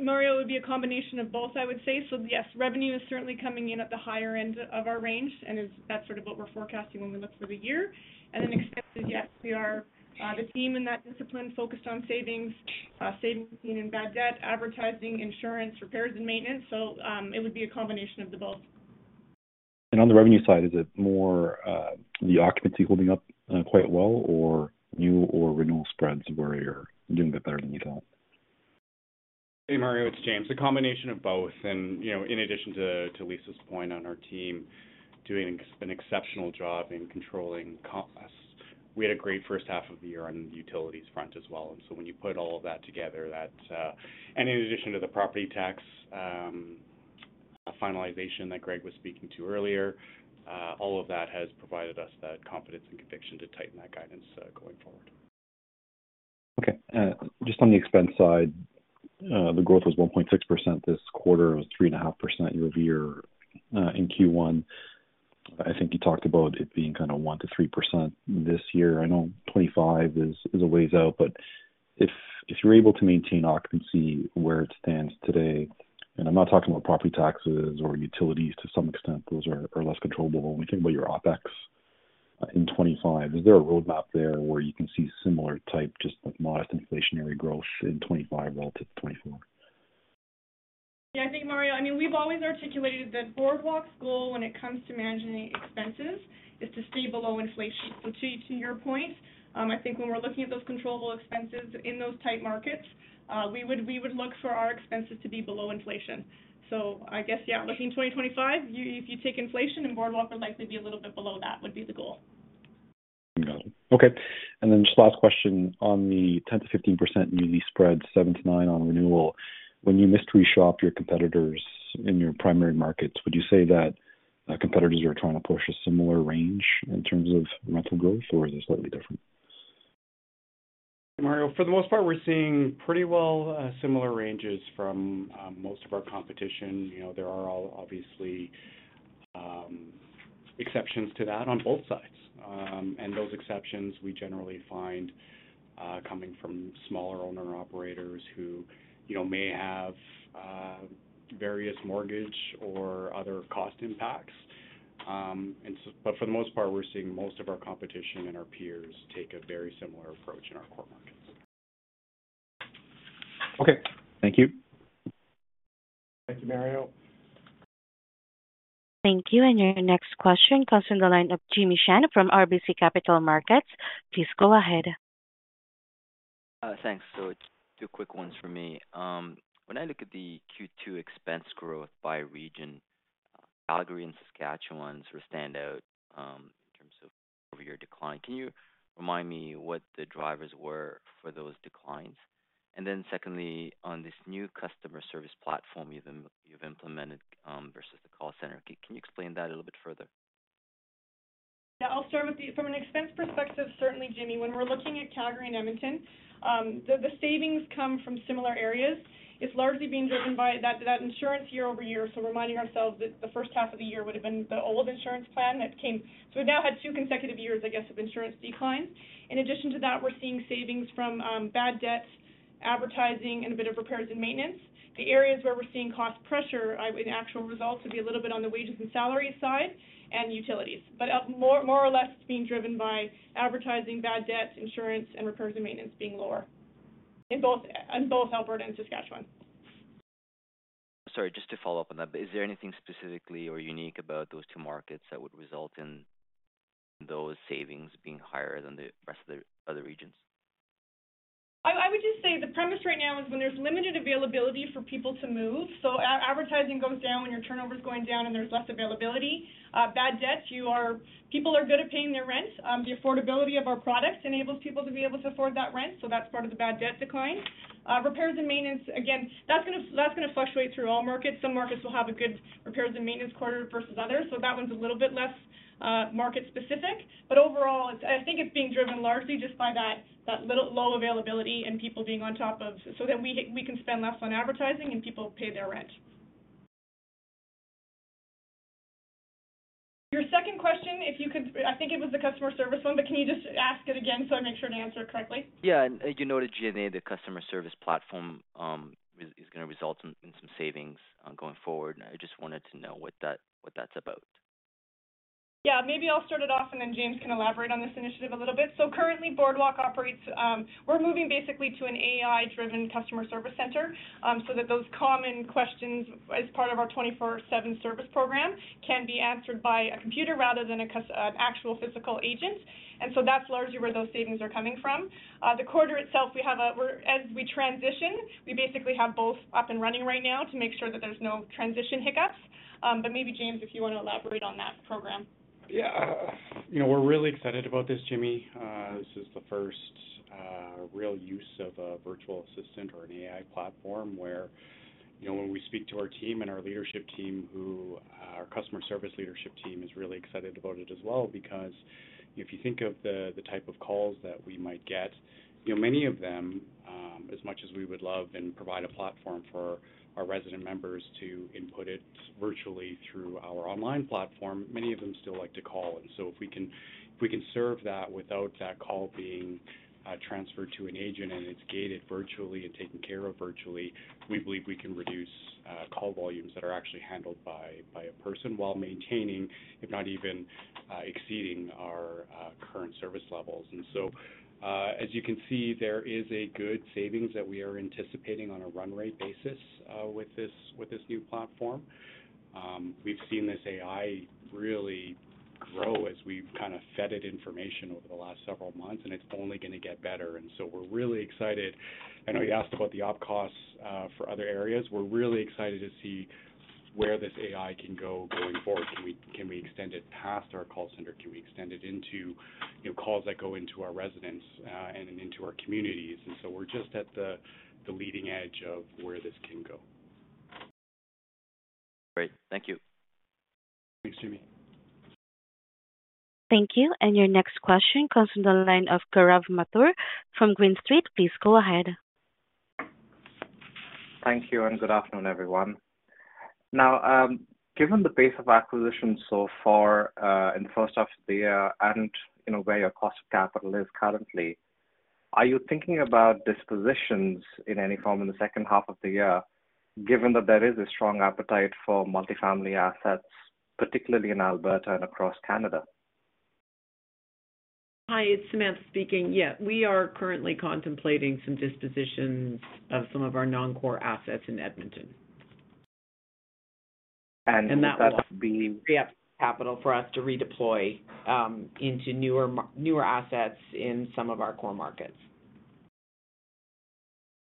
Mario, it would be a combination of both, I would say. So, yes, revenue is certainly coming in at the higher end of our range, and is, that's sort of what we're forecasting when we look through the year. And then expenses, yes, we are, the team in that discipline focused on savings, savings being in bad debt, advertising, insurance, repairs and maintenance. So, it would be a combination of the both. On the revenue side, is it more the occupancy holding up quite well, or new or renewal spreads where you're doing better than you thought? Hey, Mario, it's James. A combination of both, and, you know, in addition to, to Lisa's point on our team doing an exceptional job in controlling costs, we had a great first half of the year on the utilities front as well. And so when you put all of that together, that, and in addition to the property tax finalization that Gregg was speaking to earlier, all of that has provided us that confidence and conviction to tighten that guidance, going forward. Okay. Just on the expense side, the growth was 1.6% this quarter, it was 3.5% year-over-year. In Q1, I think you talked about it being kind of 1%-3% this year. I know 2025 is a ways out, but if you're able to maintain occupancy where it stands today, and I'm not talking about property taxes or utilities, to some extent, those are less controllable. When we think about your OpEx in 2025, is there a roadmap there where you can see similar type, just like modest inflationary growth in 2025 relative to 2024? Yeah, I think, Mario, I mean, we've always articulated that Boardwalk's goal when it comes to managing expenses is to stay below inflation. So to your point, I think when we're looking at those controllable expenses in those tight markets, we would look for our expenses to be below inflation. So I guess, yeah, looking at 2025, you, if you take inflation and Boardwalk would likely be a little bit below that, would be the goal. Okay. And then just last question. On the 10%-15% new lease spread, 7%-9% on renewal, when you measure up to your competitors in your primary markets, would you say that competitors are trying to push a similar range in terms of rental growth, or is it slightly different? Mario, for the most part, we're seeing pretty well, similar ranges from, most of our competition. You know, there are obviously, exceptions to that on both sides. And those exceptions we generally find, coming from smaller owner-operators who, you know, may have, various mortgage or other cost impacts. And so, but for the most part, we're seeing most of our competition and our peers take a very similar approach in our core markets. Okay, thank you. Thank you, Mario. Thank you. And your next question comes from the line of Jimmy Shan from RBC Capital Markets. Please go ahead. Thanks. It's two quick ones for me. When I look at the Q2 expense growth by region, Calgary and Saskatchewan sort of stand out in terms of year-over-year decline. Can you remind me what the drivers were for those declines? Then, secondly, on this new customer service platform you've implemented versus the call center, can you explain that a little bit further? Yeah, I'll start with the from an expense perspective, certainly, Jimmy, when we're looking at Calgary and Edmonton, the savings come from similar areas. It's largely being driven by that insurance year-over-year. So reminding ourselves that the first half of the year would have been the old insurance plan that came. So we've now had two consecutive years, I guess, of insurance decline. In addition to that, we're seeing savings from bad debts, advertising, and a bit of repairs and maintenance. The areas where we're seeing cost pressure in actual results would be a little bit on the wages and salaries side and utilities. But more or less, it's being driven by advertising, bad debt, insurance, and repairs and maintenance being lower in both Alberta and Saskatchewan. Sorry, just to follow up on that, but is there anything specifically or unique about those two markets that would result in those savings being higher than the rest of the other regions? I would just say the premise right now is when there's limited availability for people to move, so advertising goes down when your turnover is going down and there's less availability. Bad debts, people are good at paying their rent. The affordability of our products enables people to be able to afford that rent, so that's part of the bad debt decline. Repairs and maintenance, again, that's gonna fluctuate through all markets. Some markets will have a good repairs and maintenance quarter versus others, so that one's a little bit less market specific. But overall, it's I think it's being driven largely just by that low availability and people being on top of. So that we can spend less on advertising and people pay their rent. Your second question, if you could, I think it was the customer service one, but can you just ask it again, so I make sure to answer it correctly? Yeah. You noted G&A, the customer service platform, is gonna result in some savings going forward. I just wanted to know what that's about. Yeah, maybe I'll start it off, and then James can elaborate on this initiative a little bit. So currently, Boardwalk operates. We're moving basically to an AI-driven customer service center, so that those common questions as part of our 24/7 service program can be answered by a computer rather than an actual physical agent, and so that's largely where those savings are coming from. The quarter itself, we have a, we're as we transition, we basically have both up and running right now to make sure that there's no transition hiccups. But maybe James, if you want to elaborate on that program. Yeah. You know, we're really excited about this, Jimmy. This is the first real use of a virtual assistant or an AI platform where, you know, when we speak to our team and our leadership team, who our customer service leadership team is really excited about it as well, because if you think of the type of calls that we might get, you know, many of them, as much as we would love and provide a platform for our resident members to input it virtually through our online platform, many of them still like to call in. So if we can, if we can serve that without that call being transferred to an agent, and it's gated virtually and taken care of virtually, we believe we can reduce call volumes that are actually handled by, by a person while maintaining, if not even exceeding our current service levels. And so, as you can see, there is a good savings that we are anticipating on a run rate basis, with this, with this new platform. We've seen this AI really grow as we've kind of fed it information over the last several months, and it's only gonna get better, and so we're really excited. I know you asked about the OpEx for other areas. We're really excited to see where this AI can go going forward. Can we, can we extend it past our call center? Can we extend it into, you know, calls that go into our residents, and into our communities? So we're just at the leading edge of where this can go. Great. Thank you. Thanks, Jimmy. Thank you, and your next question comes from the line of Gaurav Mathur from Green Street. Please go ahead. Thank you, and good afternoon, everyone. Now, given the pace of acquisition so far, in the first half of the year and you know, where your cost of capital is currently, are you thinking about dispositions in any form in the second half of the year, given that there is a strong appetite for multifamily assets, particularly in Alberta and across Canada? Hi, it's Samantha speaking. Yeah, we are currently contemplating some dispositions of some of our non-core assets in Edmonton. And will that be- Free up capital for us to redeploy into newer assets in some of our core markets.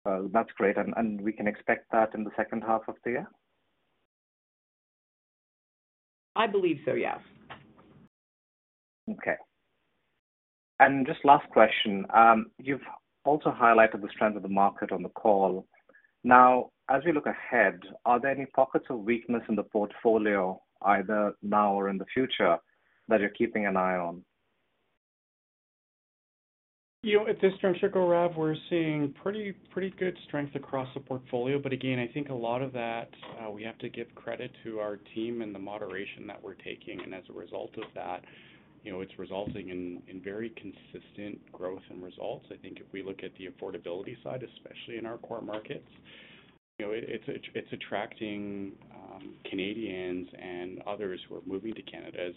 Well, that's great. And we can expect that in the second half of the year? I believe so, yes. Okay. And just last question. You've also highlighted the strength of the market on the call. Now, as we look ahead, are there any pockets of weakness in the portfolio, either now or in the future, that you're keeping an eye on? You know, at this juncture, Gaurav, we're seeing pretty, pretty good strength across the portfolio. But again, I think a lot of that, we have to give credit to our team and the moderation that we're taking, and as a result of that, you know, it's resulting in very consistent growth and results. I think if we look at the affordability side, especially in our core markets, you know, it's attracting Canadians and others who are moving to Canada, as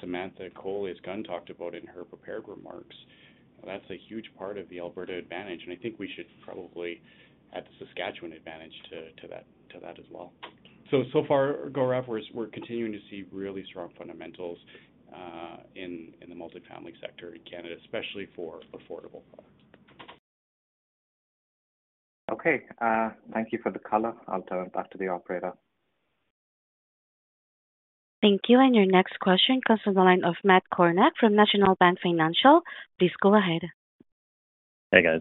Samantha Kolias-Gunn talked about in her prepared remarks. That's a huge part of the Alberta Advantage, and I think we should probably add the Saskatchewan Advantage to that as well. So far, Gaurav, we're continuing to see really strong fundamentals in the multifamily sector in Canada, especially for affordable products. Okay. Thank you for the color. I'll turn it back to the operator. Thank you, and your next question comes from the line of Matt Kornack from National Bank Financial. Please go ahead. Hey, guys.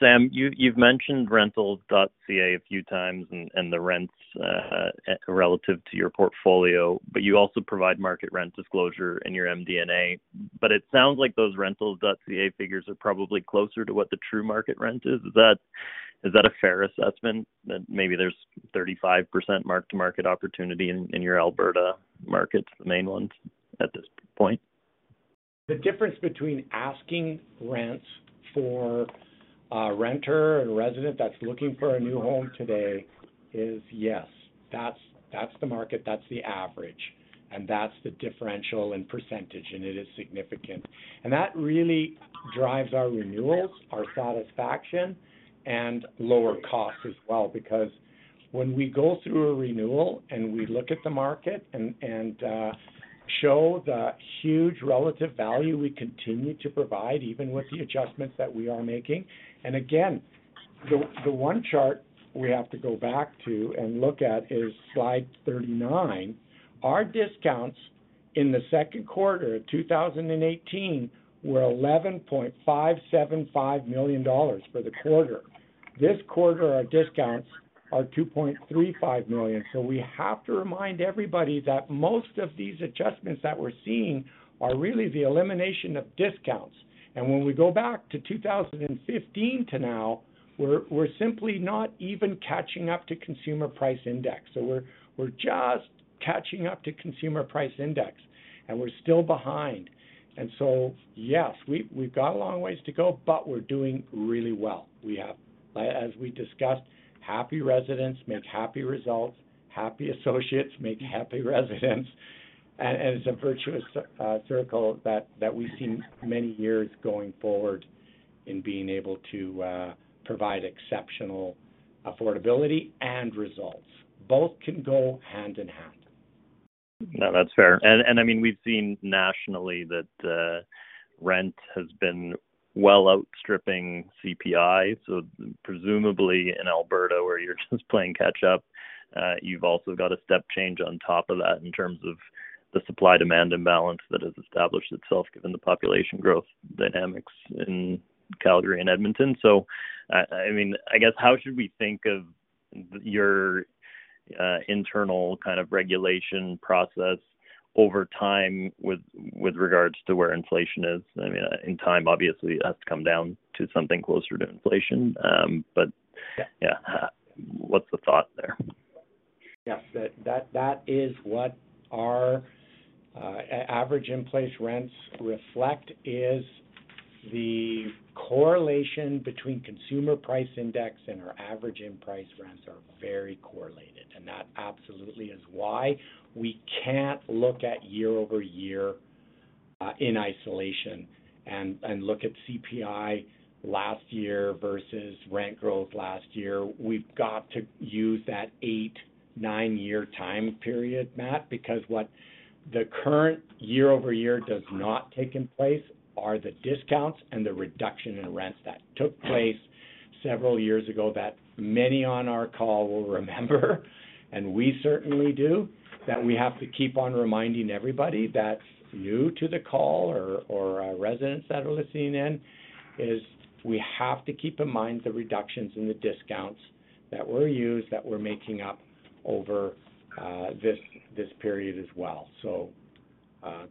Sam, you've mentioned Rentals.ca a few times and the rents relative to your portfolio, but you also provide market rent disclosure in your MD&A. But it sounds like those Rentals.ca figures are probably closer to what the true market rent is. Is that a fair assessment, that maybe there's 35% mark-to-market opportunity in your Alberta markets, the mainland, at this point? The difference between asking rents for a renter and a resident that's looking for a new home today is, yes, that's, that's the market, that's the average, and that's the differential in percentage, and it is significant. That really drives our renewals, our satisfaction, and lower costs as well, because when we go through a renewal and we look at the market and, and, show the huge relative value we continue to provide, even with the adjustments that we are making. And again, the one chart we have to go back to and look at is Slide 39. Our discounts in the second quarter of 2018 were 11.575 million dollars for the quarter. This quarter, our discounts are 2.35 million. So we have to remind everybody that most of these adjustments that we're seeing are really the elimination of discounts. And when we go back to 2015 to now, we're simply not even catching up to Consumer Price Index. So we're just catching up to Consumer Price Index, and we're still behind. And so, yes, we've got a long ways to go, but we're doing really well. We have, as we discussed, happy residents make happy results, happy associates make happy residents and it's a virtuous circle that we've seen many years going forward in being able to provide exceptional affordability and results. Both can go hand in hand. No, that's fair. I mean, we've seen nationally that rent has been well outstripping CPI. So presumably in Alberta, where you're just playing catch up, you've also got a step change on top of that in terms of the supply-demand imbalance that has established itself, given the population growth dynamics in Calgary and Edmonton. So I mean, I guess, how should we think of your internal kind of regulation process over time with regards to where inflation is? I mean, in time, obviously, it has to come down to something closer to inflation. But- Yeah. Yeah, what's the thought there? Yes, that is what our average in-place rents reflect: the correlation between Consumer Price Index and our average in-place rents are very correlated. And that absolutely is why we can't look at year-over-year in isolation and look at CPI last year versus rent growth last year. We've got to use that 8-9 year time period, Matt, because what the current year-over-year does not take into account are the discounts and the reduction in rents that took place several years ago, that many on our call will remember, and we certainly do, that we have to keep on reminding everybody that's new to the call or our residents that are listening in: we have to keep in mind the reductions in the discounts that were used, that we're making up over this period as well.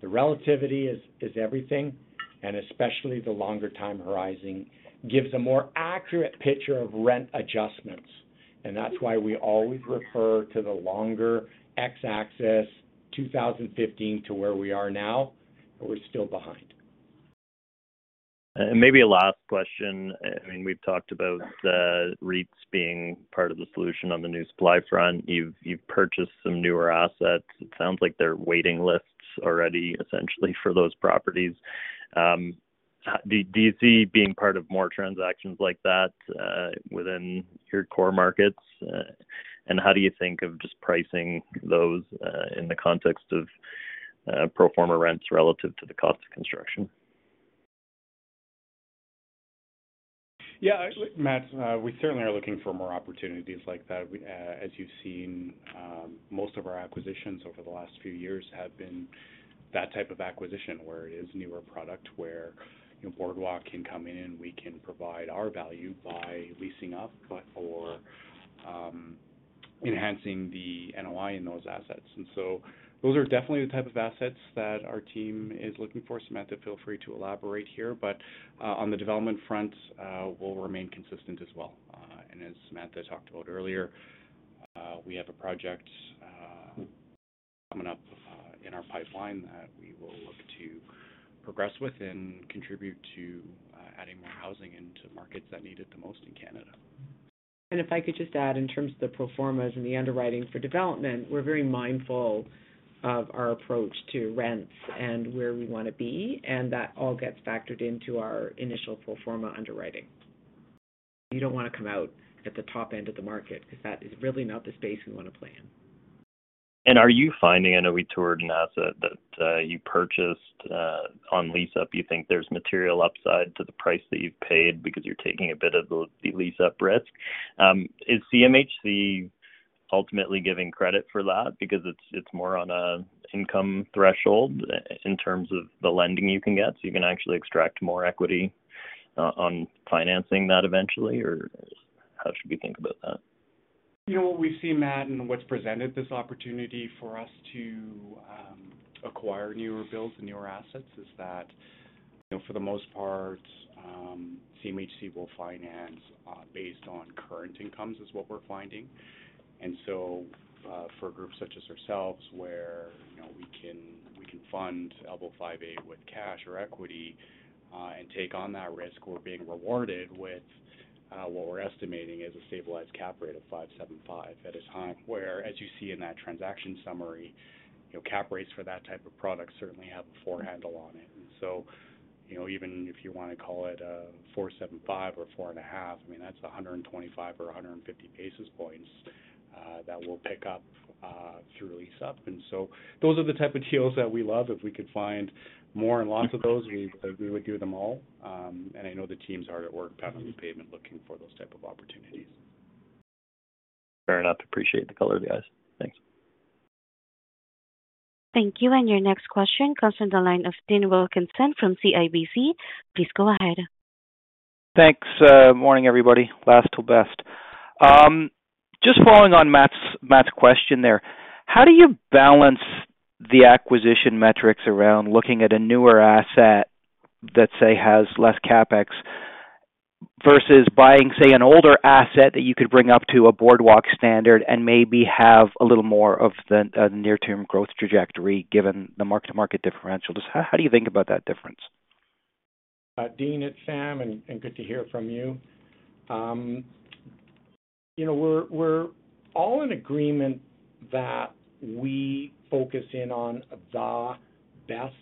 The relativity is everything, and especially the longer time horizon gives a more accurate picture of rent adjustments. That's why we always refer to the longer x-axis, 2015 to where we are now, and we're still behind. And maybe a last question. I mean, we've talked about REITs being part of the solution on the new supply front. You've purchased some newer assets. It sounds like there are waiting lists already, essentially, for those properties. Do you see being part of more transactions like that within your core markets? And how do you think of just pricing those in the context of pro forma rents relative to the cost of construction? Yeah, Matt, we certainly are looking for more opportunities like that. We, as you've seen, most of our acquisitions over the last few years have been that type of acquisition, where it is newer product, where, you know, Boardwalk can come in and we can provide our value by leasing up or, enhancing the NOI in those assets. And so those are definitely the type of assets that our team is looking for. Samantha, feel free to elaborate here. But, on the development front, we'll remain consistent as well. And as Samantha talked about earlier, we have a project, coming up, in our pipeline that we will look to progress with and contribute to, adding more housing into markets that need it the most in Canada. If I could just add, in terms of the pro forma and the underwriting for development, we're very mindful of our approach to rents and where we want to be, and that all gets factored into our initial pro forma underwriting. You don't want to come out at the top end of the market, because that is really not the space we want to play in. And are you finding, I know we toured an asset that you purchased on lease up, you think there's material upside to the price that you've paid because you're taking a bit of the, the lease-up risk? Is CMHC ultimately giving credit for that? Because it's more on a income threshold in terms of the lending you can get, so you can actually extract more equity on financing that eventually, or how should we think about that? You know, what we've seen, Matt, and what's presented this opportunity for us to, acquire newer builds and newer assets, is that, you know, for the most part, CMHC will finance, based on current incomes is what we're finding. And so, for groups such as ourselves, where, you know, we can, we can fund Elbow 5 Eight with cash or equity, and take on that risk, we're being rewarded with, what we're estimating is a stabilized cap rate of 5.75. At a time where, as you see in that transaction summary, you know, cap rates for that type of product certainly have a four handle on it. And so, you know, even if you wanna call it 4.75 or 4.5, I mean, that's 125 or 150 basis points that we'll pick up through lease-up. And so those are the type of deals that we love. If we could find more and lots of those, we would do them all. And I know the team's hard at work, pounding the pavement, looking for those type of opportunities. Fair enough. Appreciate the color, guys. Thanks. Thank you. Your next question comes from the line of Dean Wilkinson from CIBC. Please go ahead. Thanks. Morning, everybody. Last to best. Just following on Matt's, Matt's question there. How do you balance the acquisition metrics around looking at a newer asset that, say, has less CapEx, versus buying, say, an older asset that you could bring up to a Boardwalk standard and maybe have a little more of the near-term growth trajectory, given the Mark-to-Market differential? Just how, how do you think about that difference? Dean, it's Sam, and good to hear from you. You know, we're all in agreement that we focus in on the best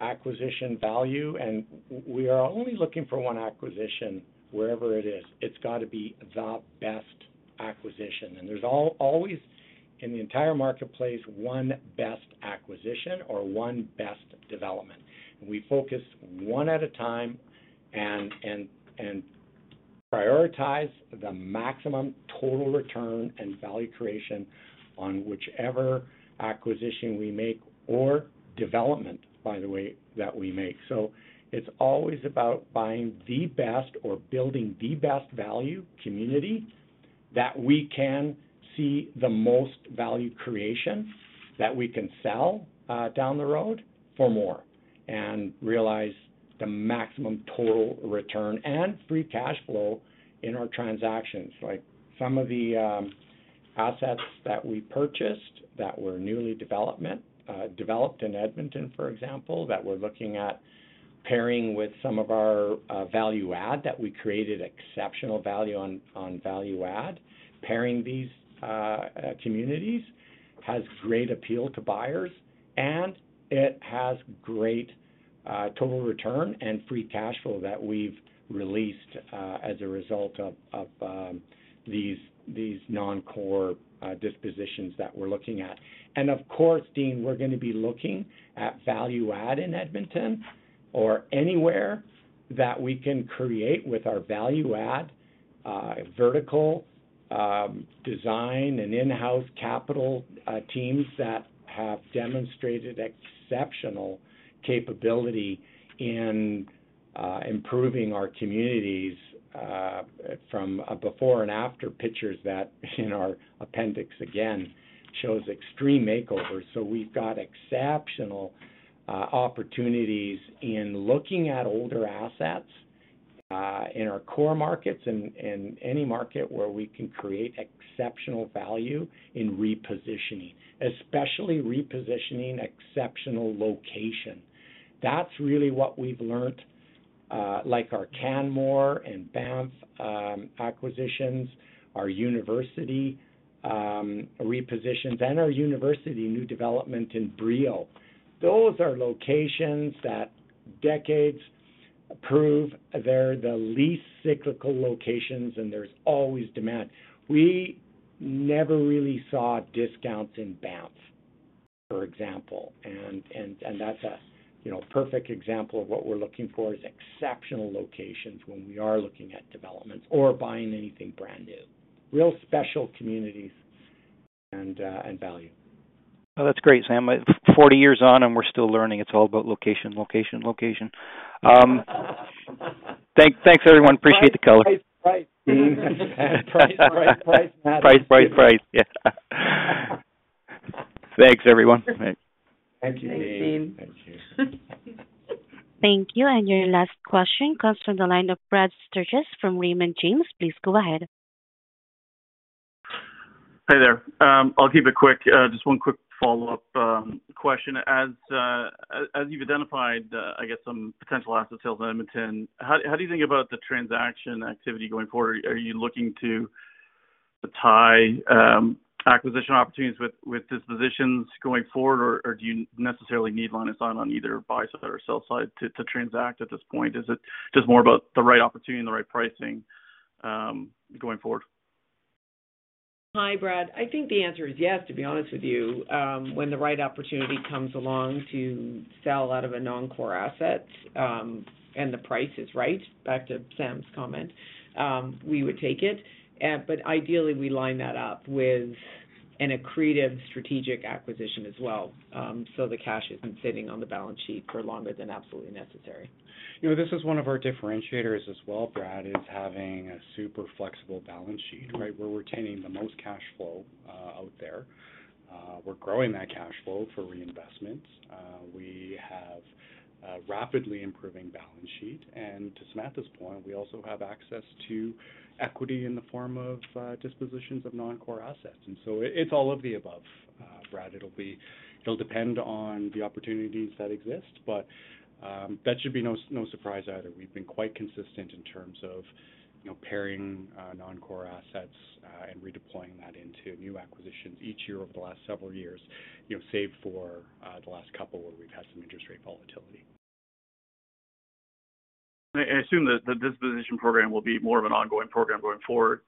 acquisition value, and we are only looking for one acquisition, wherever it is. It's gotta be the best acquisition. And there's always, in the entire marketplace, one best acquisition or one best development. And we focus one at a time and prioritize the maximum total return and value creation on whichever acquisition we make, or development, by the way, that we make. So it's always about buying the best or building the best value community that we can see the most value creation, that we can sell down the road for more, and realize the maximum total return and free cash flow in our transactions. Like some of the assets that we purchased that were newly developed in Edmonton, for example, that we're looking at pairing with some of our value add that we created exceptional value on, on value add. Pairing these communities has great appeal to buyers, and it has great total return and free cash flow that we've released as a result of these non-core dispositions that we're looking at. And of course, Dean, we're gonna be looking at value add in Edmonton or anywhere that we can create with our value add vertical design and in-house capital teams that have demonstrated exceptional capability in improving our communities from a before and after pictures that in our appendix again shows extreme makeovers. So we've got exceptional opportunities in looking at older assets in our core markets and any market where we can create exceptional value in repositioning, especially repositioning exceptional location. That's really what we've learned, like our Canmore and Banff acquisitions, our university repositions, and our university new development in Brampton. Those are locations that decades prove they're the least cyclical locations, and there's always demand. We never really saw discounts in Banff, for example. And that's a, you know, perfect example of what we're looking for, is exceptional locations when we are looking at developments or buying anything brand new. Real special communities and value. Well, that's great, Sam. 40 years on, and we're still learning it's all about location, location, location. Thank, thanks, everyone. Appreciate the color. Price, price, price. Price, price, price. Yeah. Thanks, everyone. Thank you, Dean. Thanks, Dean. Thank you. Thank you, and your last question comes from the line of Brad Sturges from Raymond James. Please go ahead. Hi there. I'll keep it quick. Just one quick follow-up question. As you've identified, I guess some potential asset sales in Edmonton, how do you think about the transaction activity going forward? Are you looking to tie acquisition opportunities with dispositions going forward, or do you necessarily need line of sight on either buy side or sell side to transact at this point? Is it just more about the right opportunity and the right pricing going forward? Hi, Brad. I think the answer is yes, to be honest with you. When the right opportunity comes along to sell out of a non-core asset, and the price is right, back to Sam's comment, we would take it. But ideally, we line that up with an accretive strategic acquisition as well, so the cash isn't sitting on the balance sheet for longer than absolutely necessary. You know, this is one of our differentiators as well, Brad, is having a super flexible balance sheet, right? We're retaining the most cash flow out there. We're growing that cash flow for reinvestments. We have a rapidly improving balance sheet, and to Samantha's point, we also have access to equity in the form of dispositions of non-core assets. And so it's all of the above, Brad. It'll depend on the opportunities that exist, but that should be no surprise either. We've been quite consistent in terms of, you know, paring non-core assets and redeploying that into new acquisitions each year over the last several years, you know, save for the last couple, where we've had some interest rate volatility. I assume that the disposition program will be more of an ongoing program going forward.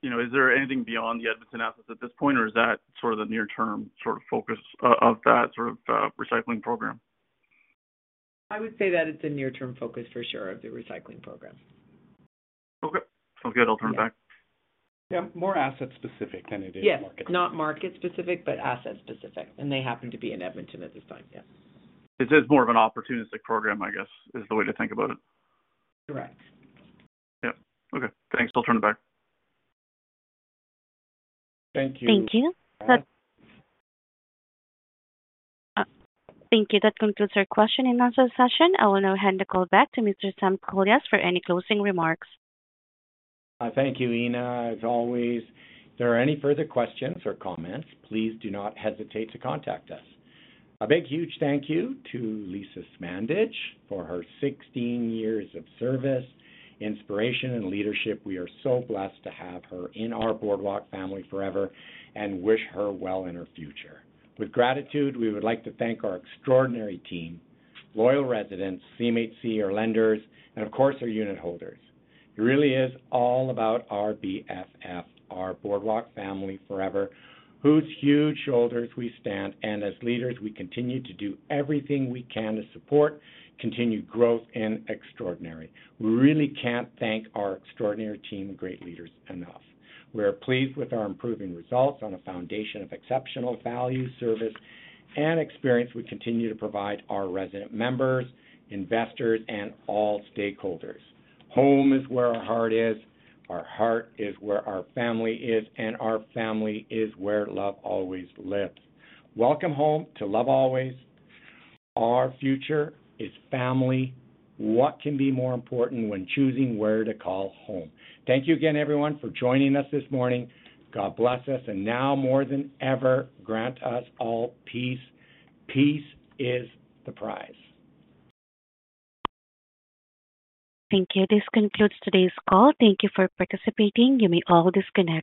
You know, is there anything beyond the Edmonton assets at this point, or is that sort of the near-term sort of focus of that sort of recycling program? I would say that it's a near-term focus for sure of the recycling program. Okay. Sounds good. I'll turn it back. Yeah, more asset-specific than it is market- Yes, not market-specific, but asset-specific, and they happen to be in Edmonton at this time, yes. This is more of an opportunistic program, I guess, is the way to think about it. Correct. Yep. Okay, thanks. I'll turn it back. Thank you. Thank you. That concludes our question and answer session. I will now hand the call back to Mr. Sam Kolias for any closing remarks. Thank you, Ina, as always. If there are any further questions or comments, please do not hesitate to contact us. A big, huge thank you to Lisa Smandych for her 16 years of service, inspiration, and leadership. We are so blessed to have her in our Boardwalk Family Forever, and wish her well in her future. With gratitude, we would like to thank our extraordinary team, loyal residents, CMHC, our lenders, and of course, our unitholders. It really is all about our BFF, our Boardwalk Family Forever, whose huge shoulders we stand on. As leaders, we continue to do everything we can to support continued growth and extraordinary. We really can't thank our extraordinary team and great leaders enough. We are pleased with our improving results on a foundation of exceptional value, service, and experience we continue to provide our resident members, investors, and all stakeholders. Home is where our heart is, our heart is where our family is, and our family is where love always lives. Welcome home to Love Always. Our future is family. What can be more important when choosing where to call home? Thank you again, everyone, for joining us this morning. God bless us, and now more than ever, grant us all peace. Peace is the prize. Thank you. This concludes today's call. Thank you for participating. You may all disconnect.